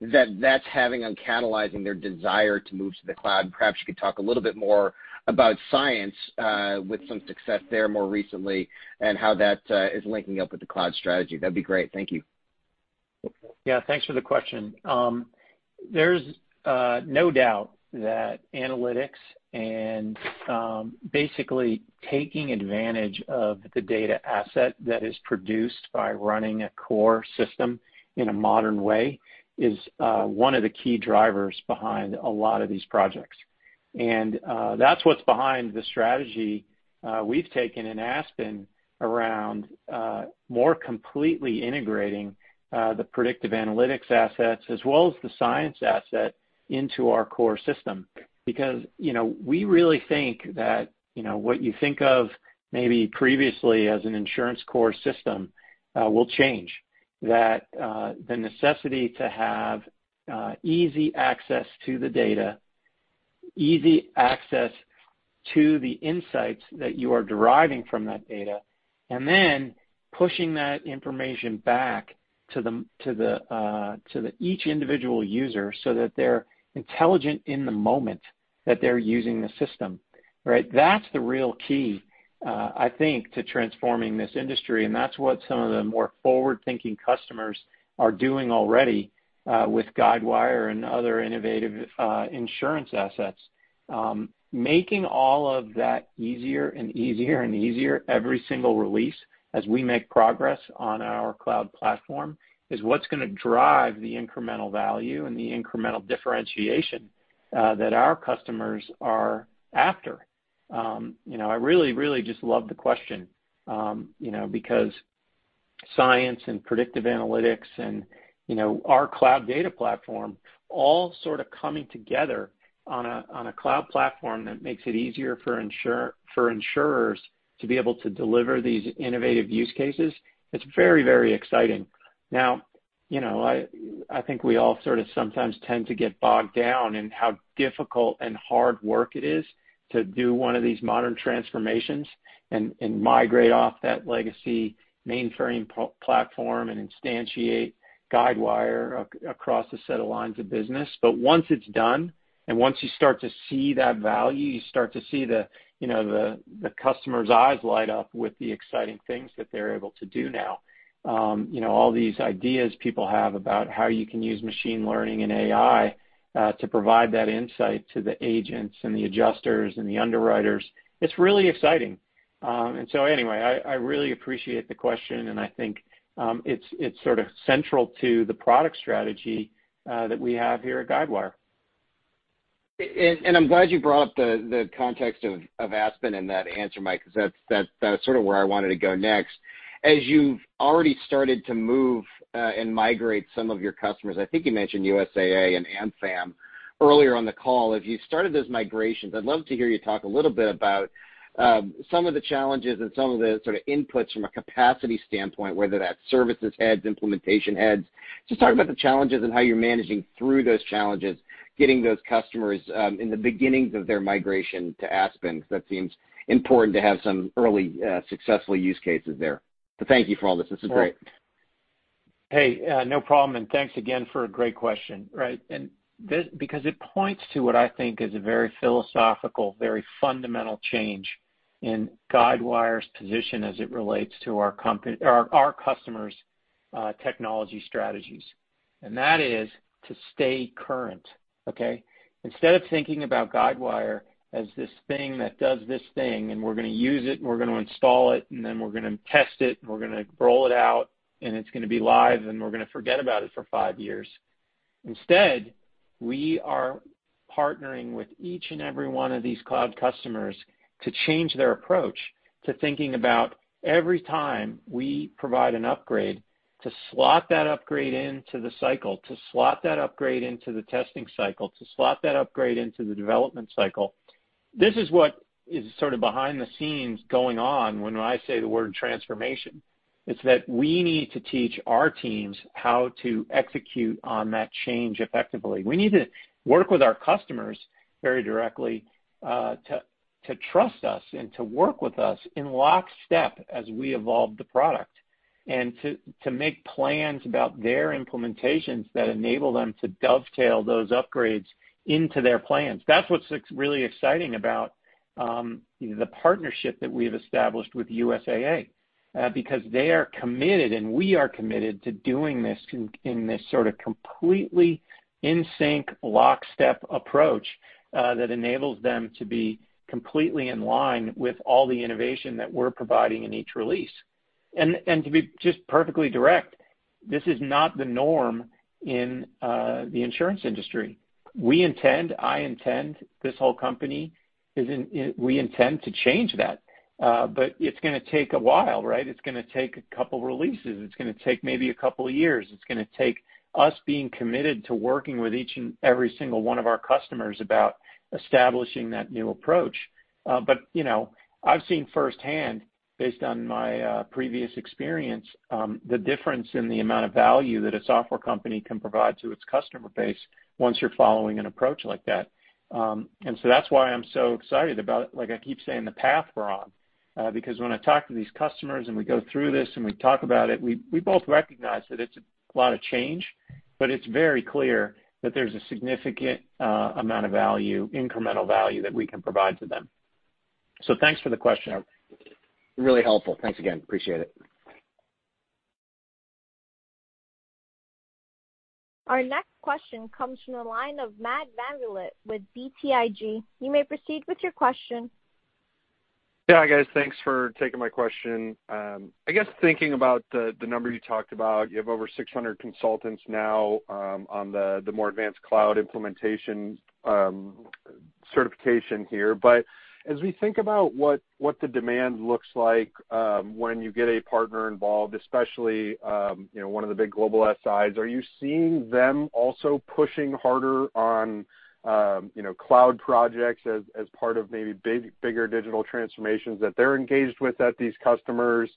that's having on catalyzing their desire to move to the cloud. Perhaps you could talk a little bit more about science with some success there more recently and how that is linking up with the cloud strategy. That'd be great. Thank you. Yeah. Thanks for the question. There's no doubt that analytics and basically taking advantage of the data asset that is produced by running a core system in a modern way is one of the key drivers behind a lot of these projects. That's what's behind the strategy we've taken in Aspen around more completely integrating the predictive analytics assets as well as the science asset into our core system. We really think that what you think of maybe previously as an insurance core system will change. The necessity to have easy access to the data, easy access to the insights that you are deriving from that data, and then pushing that information back to each individual user so that they're intelligent in the moment that they're using the system. That's the real key, I think, to transforming this industry, and that's what some of the more forward-thinking customers are doing already with Guidewire and other innovative insurance assets. Making all of that easier and easier and easier every single release as we make progress on our cloud platform is what's going to drive the incremental value and the incremental differentiation that our customers are after. I really just love the question, because science and predictive analytics and our Guidewire Data Platform all sort of coming together on a cloud platform that makes it easier for insurers to be able to deliver these innovative use cases. It's very exciting. I think we all sort of sometimes tend to get bogged down in how difficult and hard work it is to do one of these modern transformations and migrate off that legacy mainframe platform and instantiate Guidewire across a set of lines of business. Once it's done, and once you start to see that value, you start to see the customer's eyes light up with the exciting things that they're able to do now. All these ideas people have about how you can use machine learning and AI to provide that insight to the agents and the adjusters and the underwriters, it's really exciting. Anyway, I really appreciate the question, and I think it's sort of central to the product strategy that we have here at Guidewire. I'm glad you brought up the context of Aspen in that answer, Mike, because that's sort of where I wanted to go next. As you've already started to move and migrate some of your customers, I think you mentioned USAA and AmFam earlier on the call. As you started those migrations, I'd love to hear you talk a little bit about some of the challenges and some of the sort of inputs from a capacity standpoint, whether that's services heads, implementation heads. Just talk about the challenges and how you're managing through those challenges, getting those customers in the beginnings of their migration to Aspen, because that seems important to have some early successful use cases there. Thank you for all this. This is great. Hey, no problem. Thanks again for a great question. It points to what I think is a very philosophical, very fundamental change in Guidewire's position as it relates to our customers' technology strategies. That is to stay current, okay? Instead of thinking about Guidewire as this thing that does this thing, and we're going to use it, and we're going to install it, and then we're going to test it, and we're going to roll it out, and it's going to be live, and we're going to forget about it for five years. Instead, we are partnering with each and every one of these cloud customers to change their approach to thinking about every time we provide an upgrade, to slot that upgrade into the cycle, to slot that upgrade into the testing cycle, to slot that upgrade into the development cycle. This is what is sort of behind the scenes going on when I say the word transformation, is that we need to teach our teams how to execute on that change effectively. We need to work with our customers very directly to trust us and to work with us in lockstep as we evolve the product and to make plans about their implementations that enable them to dovetail those upgrades into their plans. That's what's really exciting about the partnership that we've established with USAA because they are committed, and we are committed to doing this in this sort of completely in sync lockstep approach that enables them to be completely in line with all the innovation that we're providing in each release. To be just perfectly direct, this is not the norm in the insurance industry. We intend, I intend, this whole company, we intend to change that. It's going to take a while, right? It's going to take a couple releases. It's going to take maybe a couple of years. It's going to take us being committed to working with each and every single one of our customers about establishing that new approach. I've seen firsthand, based on my previous experience, the difference in the amount of value that a software company can provide to its customer base once you're following an approach like that. That's why I'm so excited about, like I keep saying, the path we're on. When I talk to these customers and we go through this and we talk about it, we both recognize that it's a lot of change, but it's very clear that there's a significant amount of value, incremental value that we can provide to them. So thanks for the question. Really helpful. Thanks again. Appreciate it. Our next question comes from the line of Matt VanVliet with BTIG. You may proceed with your question. Yeah, guys, thanks for taking my question. I guess thinking about the number you talked about, you have over 600 consultants now on the more advanced cloud implementation certification here. As we think about what the demand looks like when you get a partner involved, especially one of the big global SIs, are you seeing them also pushing harder on cloud projects as part of maybe bigger digital transformations that they're engaged with at these customers?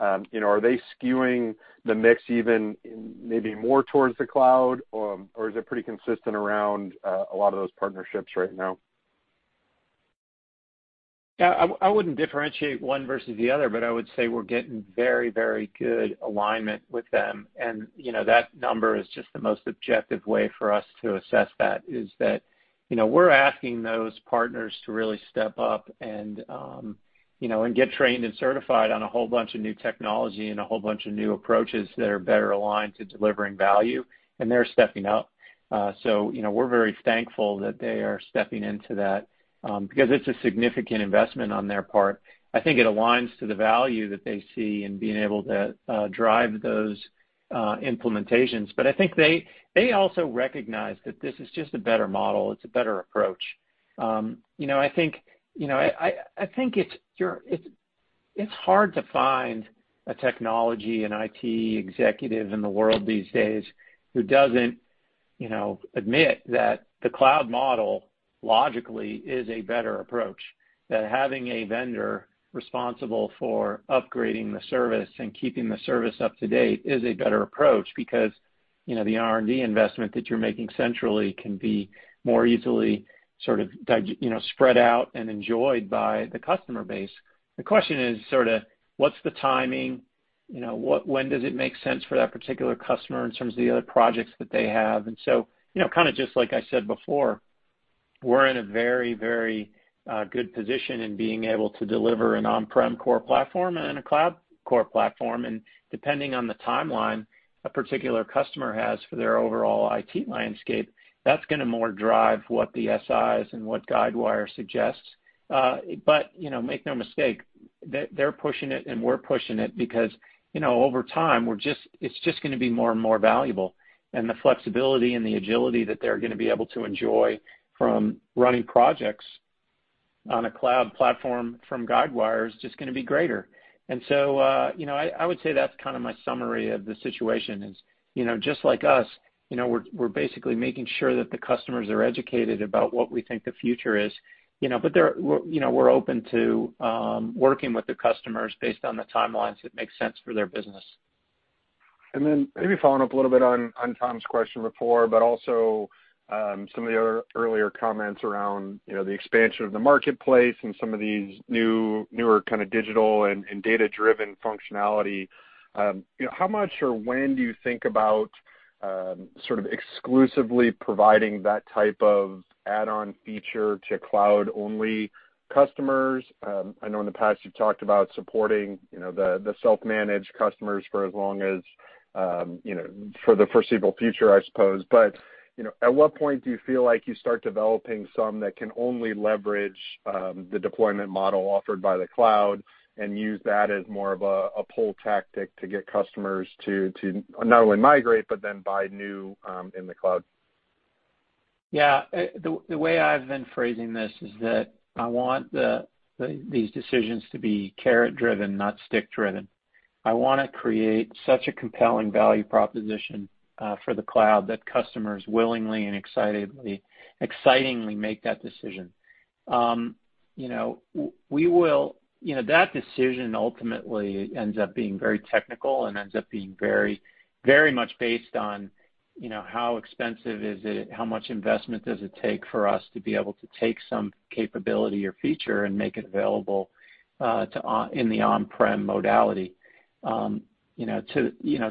Are they skewing the mix even maybe more towards the cloud? Is it pretty consistent around a lot of those partnerships right now? Yeah. I wouldn't differentiate one versus the other, but I would say we're getting very good alignment with them. That number is just the most objective way for us to assess that is that we're asking those partners to really step up and get trained and certified on a whole bunch of new technology and a whole bunch of new approaches that are better aligned to delivering value, and they're stepping up. We're very thankful that they are stepping into that because it's a significant investment on their part. I think it aligns to the value that they see in being able to drive those implementations. I think they also recognize that this is just a better model. It's a better approach. I think it's hard to find a technology and IT executive in the world these days who doesn't admit that the cloud model logically is a better approach, that having a vendor responsible for upgrading the service and keeping the service up to date is a better approach because the R&D investment that you're making centrally can be more easily sort of spread out and enjoyed by the customer base. The question is sort of what's the timing? When does it make sense for that particular customer in terms of the other projects that they have? Just like I said before, we're in a very good position in being able to deliver an on-prem core platform and a cloud core platform. Depending on the timeline a particular customer has for their overall IT landscape, that's going to more drive what the SIs and what Guidewire suggests. Make no mistake, they're pushing it and we're pushing it because over time, it's just going to be more and more valuable. The flexibility and the agility that they're going to be able to enjoy from running projects on a cloud platform from Guidewire is just going to be greater. I would say that's kind of my summary of the situation is just like us, we're basically making sure that the customers are educated about what we think the future is. We're open to working with the customers based on the timelines that make sense for their business. Then maybe following up a little bit on Tom's question before, but also some of the other earlier comments around the expansion of the marketplace and some of these newer kind of digital and data-driven functionality. How much or when do you think about sort of exclusively providing that type of add-on feature to cloud-only customers? I know in the past you've talked about supporting the self-managed customers for the foreseeable future, I suppose. At what point do you feel like you start developing some that can only leverage the deployment model offered by the cloud and use that as more of a pull tactic to get customers to not only migrate but then buy new in the cloud? Yeah. The way I've been phrasing this is that I want these decisions to be carrot-driven, not stick-driven. I want to create such a compelling value proposition for the cloud that customers willingly and excitingly make that decision. That decision ultimately ends up being very technical and ends up being very much based on how expensive is it, how much investment does it take for us to be able to take some capability or feature and make it available in the on-prem modality.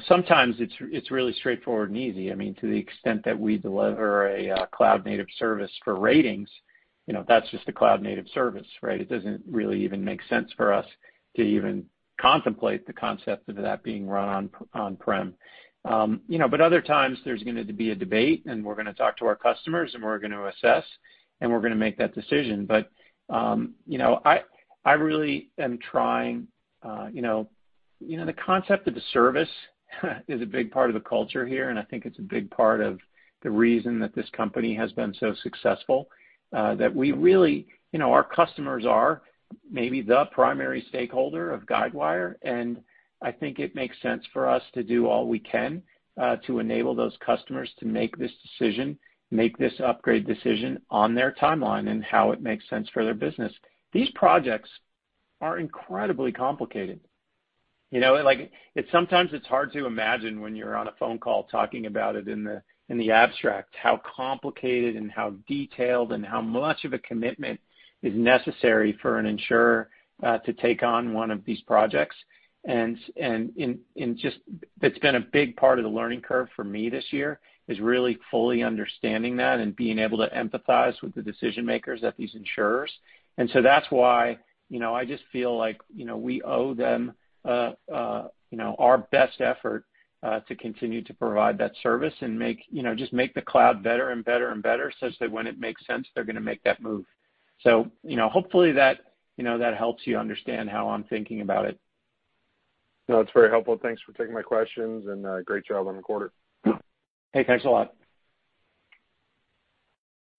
Sometimes it's really straightforward and easy. To the extent that we deliver a cloud-native service for ratings, that's just a cloud-native service, right? It doesn't really even make sense for us to even contemplate the concept of that being run on-prem. Other times there's going to be a debate, and we're going to talk to our customers, and we're going to assess, and we're going to make that decision. The concept of the service is a big part of the culture here, and I think it's a big part of the reason that this company has been so successful. Our customers are maybe the primary stakeholder of Guidewire, and I think it makes sense for us to do all we can to enable those customers to make this decision, make this upgrade decision on their timeline and how it makes sense for their business. These projects are incredibly complicated. Sometimes it's hard to imagine when you're on a phone call talking about it in the abstract, how complicated and how detailed and how much of a commitment is necessary for an insurer to take on one of these projects. It's been a big part of the learning curve for me this year, is really fully understanding that and being able to empathize with the decision-makers at these insurers. That's why I just feel like we owe them our best effort to continue to provide that service and just make the cloud better and better, such that when it makes sense, they're going to make that move. Hopefully that helps you understand how I'm thinking about it. No, it's very helpful. Thanks for taking my questions. Great job on the quarter. Hey, thanks a lot.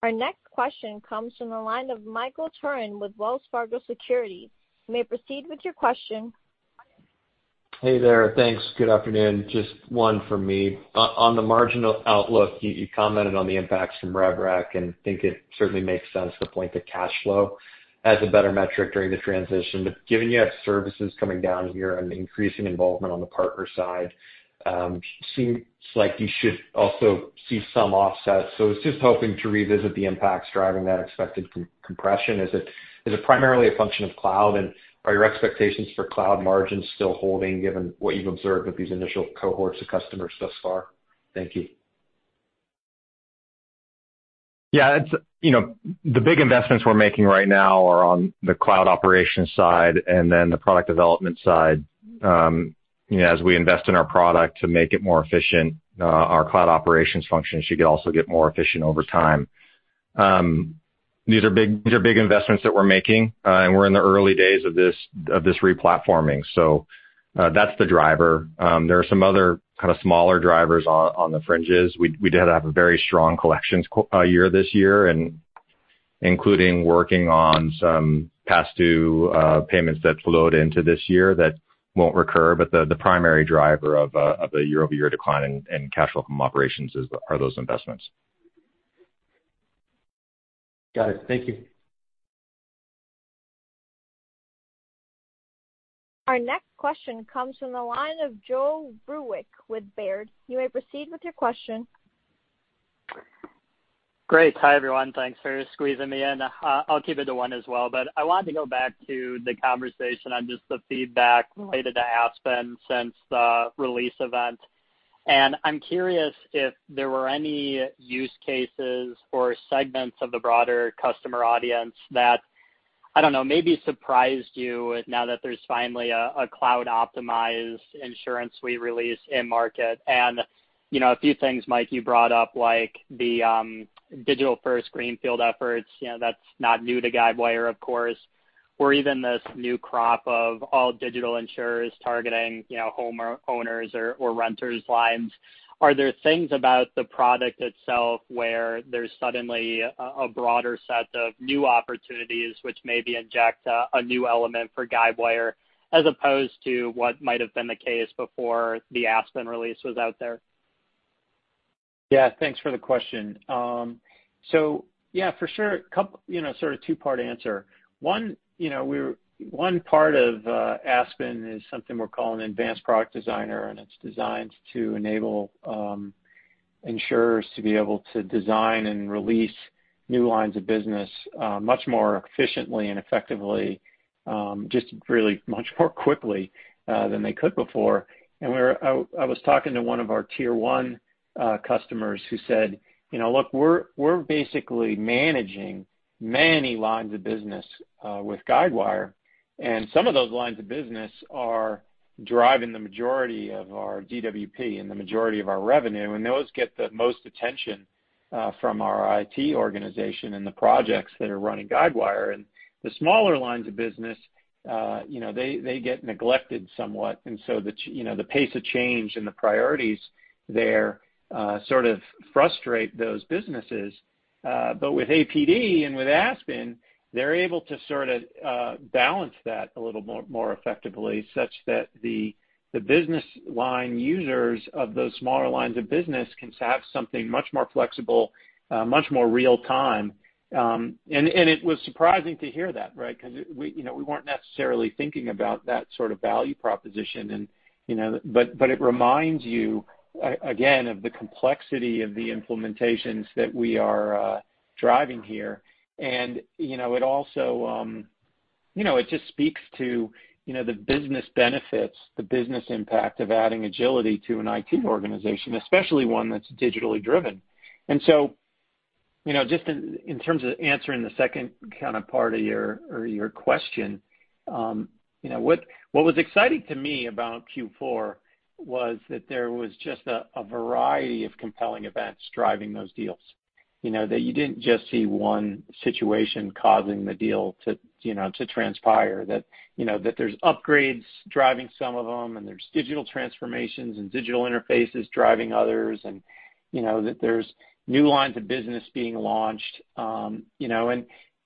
Our next question comes from the line of Michael Turrin with Wells Fargo Securities. You may proceed with your question. Hey there. Thanks. Good afternoon. Just one from me. On the marginal outlook, you commented on the impacts from RevRec, think it certainly makes sense to point to cash flow as a better metric during the transition. Given you have services coming down here and increasing involvement on the partner side, seems like you should also see some offsets. I was just hoping to revisit the impacts driving that expected compression. Is it primarily a function of cloud, are your expectations for cloud margins still holding given what you've observed with these initial cohorts of customers thus far? Thank you. Yeah. The big investments we're making right now are on the cloud operations side and then the product development side. As we invest in our product to make it more efficient, our cloud operations function should also get more efficient over time. These are big investments that we're making, and we're in the early days of this re-platforming. That's the driver. There are some other kind of smaller drivers on the fringes. We did have a very strong collections year this year, and including working on some past due payments that flowed into this year that won't recur. The primary driver of the year-over-year decline in cash flow from operations are those investments. Got it. Thank you. Our next question comes from the line of Joe Vruwink with Baird. You may proceed with your question. Great. Hi, everyone. Thanks for squeezing me in. I'll keep it to one as well, but I wanted to go back to the conversation on just the feedback related to Aspen since the release event. I'm curious if there were any use cases or segments of the broader customer audience that, I don't know, maybe surprised you now that there's finally a cloud-optimized InsuranceSuite release in market. A few things, Mike, you brought up like the digital-first greenfield efforts. That's not new to Guidewire, of course, or even this new crop of all digital insurers targeting home owners or renters' lines. Are there things about the product itself where there's suddenly a broader set of new opportunities which maybe inject a new element for Guidewire as opposed to what might have been the case before the Aspen release was out there? Yeah. Thanks for the question. Yeah, for sure. Sort of two-part answer. One part of Aspen is something we're calling Advanced Product Designer, it's designed to enable insurers to be able to design and release new lines of business much more efficiently and effectively, just really much more quickly than they could before. I was talking to one of our tier 1 customers who said, "Look, we're basically managing many lines of business with Guidewire", and some of those lines of business are driving the majority of our DWP and the majority of our revenue, and those get the most attention from our IT organization and the projects that are running Guidewire. The smaller lines of business they get neglected somewhat. The pace of change and the priorities there sort of frustrate those businesses. With APD and with Aspen, they're able to sort of balance that a little more effectively such that the business line users of those smaller lines of business can have something much more flexible, much more real time. It was surprising to hear that, right? Because we weren't necessarily thinking about that sort of value proposition. It reminds you, again, of the complexity of the implementations that we are driving here. It just speaks to the business benefits, the business impact of adding agility to an IT organization, especially one that's digitally driven. Just in terms of answering the second kind of part of your question, what was exciting to me about Q4 was that there was just a variety of compelling events driving those deals. That you didn't just see one situation causing the deal to transpire. That there's upgrades driving some of them, and there's digital transformations and digital interfaces driving others, and that there's new lines of business being launched.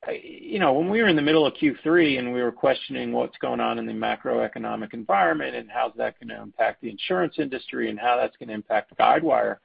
When we were in the middle of Q3, and we were questioning what's going on in the macroeconomic environment and how's that going to impact the insurance industry and how that's going to impact Guidewire,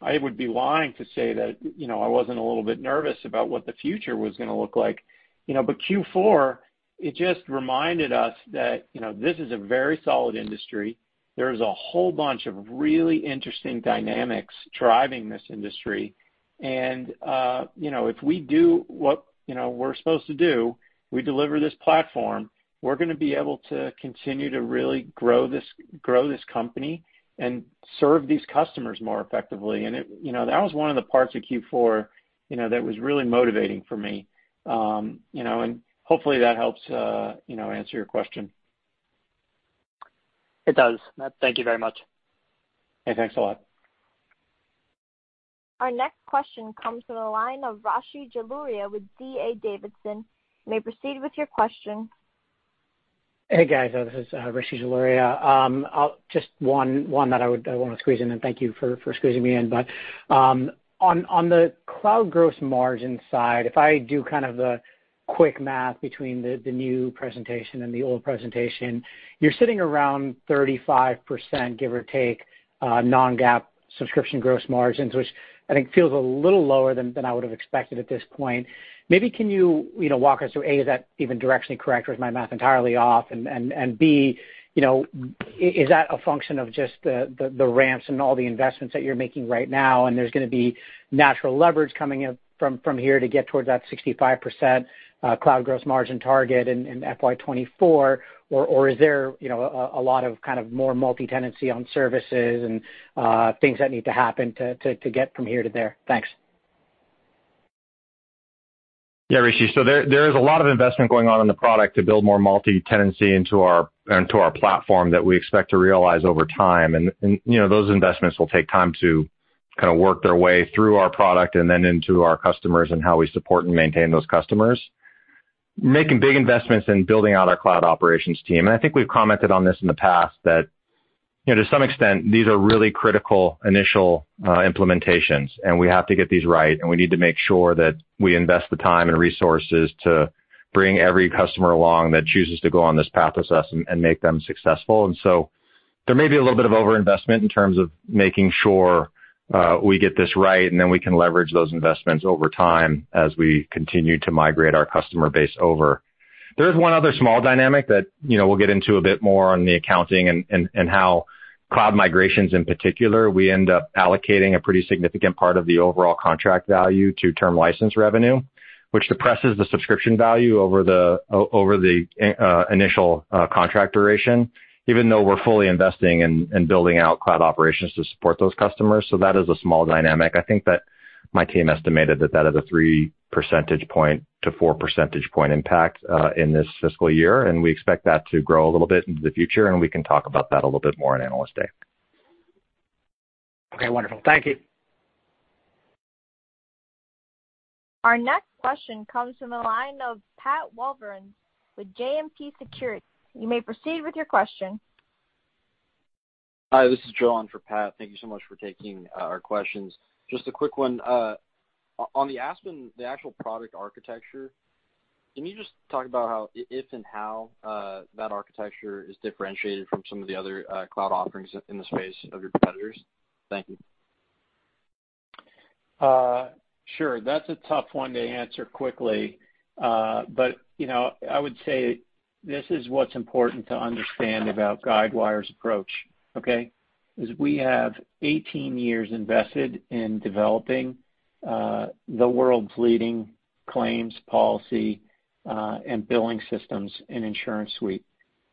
I would be lying to say that I wasn't a little bit nervous about what the future was going to look like. Q4, it just reminded us that this is a very solid industry. There is a whole bunch of really interesting dynamics driving this industry. If we do what we're supposed to do, we deliver this platform, we're going to be able to continue to really grow this company and serve these customers more effectively. That was one of the parts of Q4 that was really motivating for me. Hopefully that helps answer your question. It does, Mike. Thank you very much. Hey, thanks a lot. Our next question comes from the line of Rishi Jaluria with D.A. Davidson. You may proceed with your question. Hey, guys. This is Rishi Jaluria. Just one that I want to squeeze in, and thank you for squeezing me in. On the cloud gross margin side, if I do kind of the quick math between the new presentation and the old presentation, you're sitting around 35%, give or take, non-GAAP subscription gross margins, which I think feels a little lower than I would've expected at this point. Maybe can you walk us through, A, is that even directionally correct, or is my math entirely off? B, is that a function of just the ramps and all the investments that you're making right now, and there's going to be natural leverage coming in from here to get towards that 65% cloud gross margin target in FY 2024, or is there a lot of kind of more multi-tenancy on services and things that need to happen to get from here to there? Thanks. Yeah, Rishi. There is a lot of investment going on in the product to build more multi-tenancy into our platform that we expect to realize over time. Those investments will take time to kind of work their way through our product and then into our customers and how we support and maintain those customers. Making big investments in building out our cloud operations team. I think we've commented on this in the past that, to some extent, these are really critical initial implementations, and we have to get these right, and we need to make sure that we invest the time and resources to bring every customer along that chooses to go on this path with us and make them successful. There may be a little bit of over-investment in terms of making sure we get this right, and then we can leverage those investments over time as we continue to migrate our customer base over. There is one other small dynamic that we'll get into a bit more on the accounting and how cloud migrations, in particular, we end up allocating a pretty significant part of the overall contract value to term license revenue, which depresses the subscription value over the initial contract duration, even though we're fully investing in building out cloud operations to support those customers. That is a small dynamic. I think that my team estimated that that is a three percentage point, four percentage point impact in this fiscal year. We expect that to grow a little bit into the future. We can talk about that a little bit more on Analyst Day. Okay, wonderful. Thank you. Our next question comes from the line of Pat Walravens with JMP Securities. You may proceed with your question. Hi, this is John for Pat. Thank you so much for taking our questions. Just a quick one. On the Aspen, the actual product architecture, can you just talk about if and how that architecture is differentiated from some of the other cloud offerings in the space of your competitors? Thank you. Sure. That's a tough one to answer quickly. I would say this is what's important to understand about Guidewire's approach, okay? Is we have 18 years invested in developing the world's leading claims policy and billing systems in InsuranceSuite.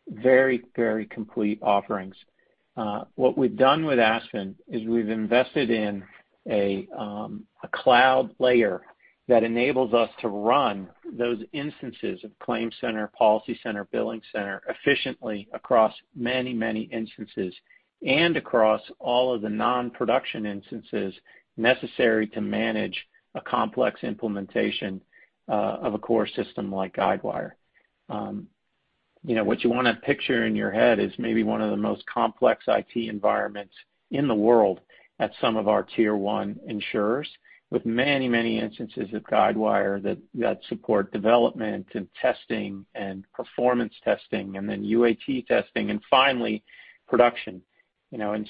Very complete offerings. What we've done with Aspen is we've invested in a cloud layer that enables us to run those instances of ClaimCenter, PolicyCenter, BillingCenter efficiently across many instances and across all of the non-production instances necessary to manage a complex implementation of a core system like Guidewire. What you want to picture in your head is maybe one of the most complex IT environments in the world at some of our tier 1 insurers with many instances of Guidewire that support development and testing and performance testing, and then UAT testing, and finally production.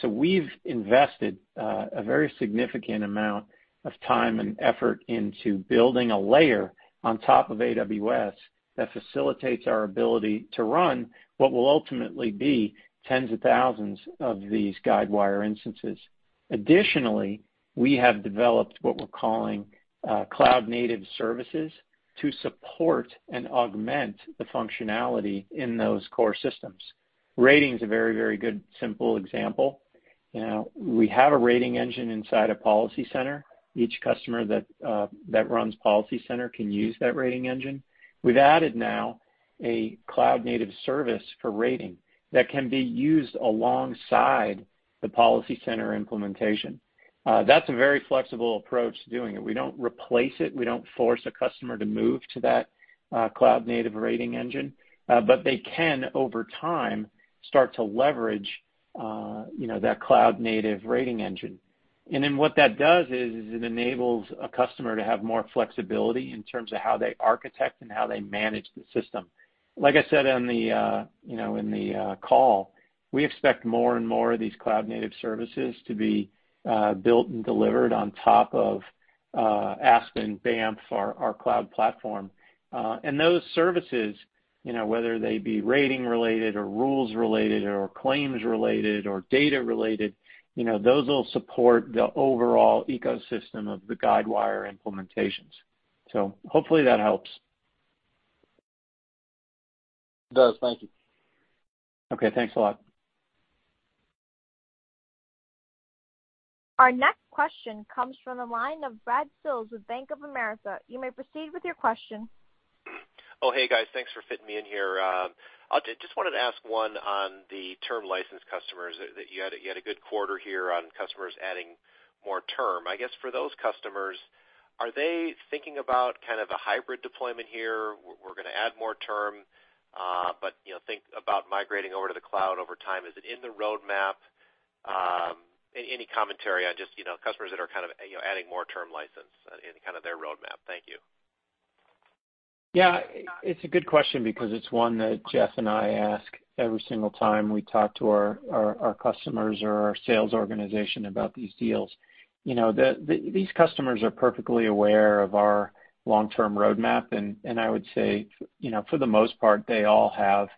We've invested a very significant amount of time and effort into building a layer on top of AWS that facilitates our ability to run what will ultimately be tens of thousands of these Guidewire instances. Additionally, we have developed what we're calling cloud-native services to support and augment the functionality in those core systems. Rating's a very good, simple example. We have a rating engine inside of PolicyCenter. Each customer that runs PolicyCenter can use that rating engine. We've added now a cloud-native service for rating that can be used alongside the PolicyCenter implementation. That's a very flexible approach to doing it. We don't replace it. We don't force a customer to move to that cloud-native rating engine. They can, over time, start to leverage that cloud-native rating engine. What that does is it enables a customer to have more flexibility in terms of how they architect and how they manage the system. Like I said in the call, we expect more and more of these cloud-native services to be built and delivered on top of Aspen, Banff, our cloud platform. Those services, whether they be rating related or rules related or claims related or data related, those will support the overall ecosystem of the Guidewire implementations. Hopefully that helps. It does. Thank you. Okay. Thanks a lot. Our next question comes from the line of Brad Sills with Bank of America. You may proceed with your question. Oh, hey, guys. Thanks for fitting me in here. I just wanted to ask one on the term license customers that you had a good quarter here on customers adding more term. I guess for those customers, are they thinking about kind of a hybrid deployment here? We're going to add more term, but think about migrating over to the cloud over time. Is it in the roadmap? Any commentary on just customers that are kind of adding more term license in kind of their roadmap? Thank you. Yeah, it's a good question because it's one that Jeff and I ask every single time we talk to our customers or our sales organization about these deals. These customers are perfectly aware of our long-term roadmap, and I would say, for the most part, they all have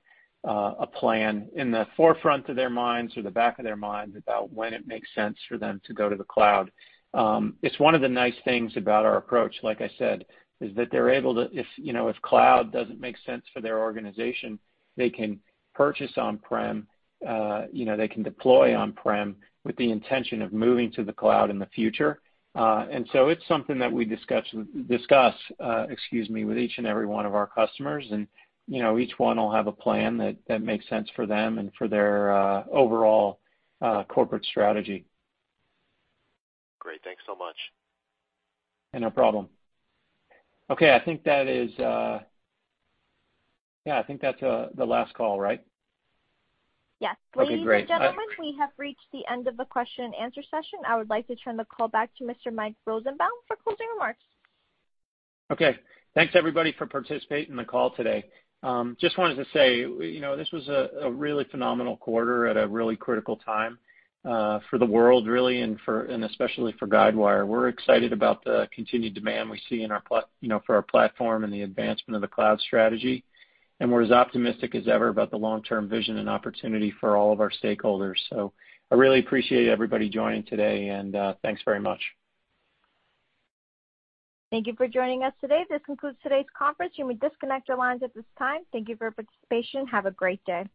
a plan in the forefront of their minds or the back of their minds about when it makes sense for them to go to the cloud. It's one of the nice things about our approach, like I said, is that they're able to, if cloud doesn't make sense for their organization, they can purchase on-prem, they can deploy on-prem with the intention of moving to the cloud in the future. It's something that we discuss with each and every one of our customers, and each one will have a plan that makes sense for them and for their overall corporate strategy. Great. Thanks so much. No problem. Okay, I think that's the last call, right? Yes. Okay, great. Ladies and gentlemen, we have reached the end of the question and answer session. I would like to turn the call back to Mr. Mike Rosenbaum for closing remarks. Okay. Thanks, everybody, for participating in the call today. Just wanted to say, this was a really phenomenal quarter at a really critical time for the world, really, and especially for Guidewire. We're excited about the continued demand we see for our platform and the advancement of the cloud strategy. We're as optimistic as ever about the long-term vision and opportunity for all of our stakeholders. I really appreciate everybody joining today, and thanks very much. Thank you for joining us today. This concludes today's conference. You may disconnect your lines at this time. Thank you for your participation. Have a great day.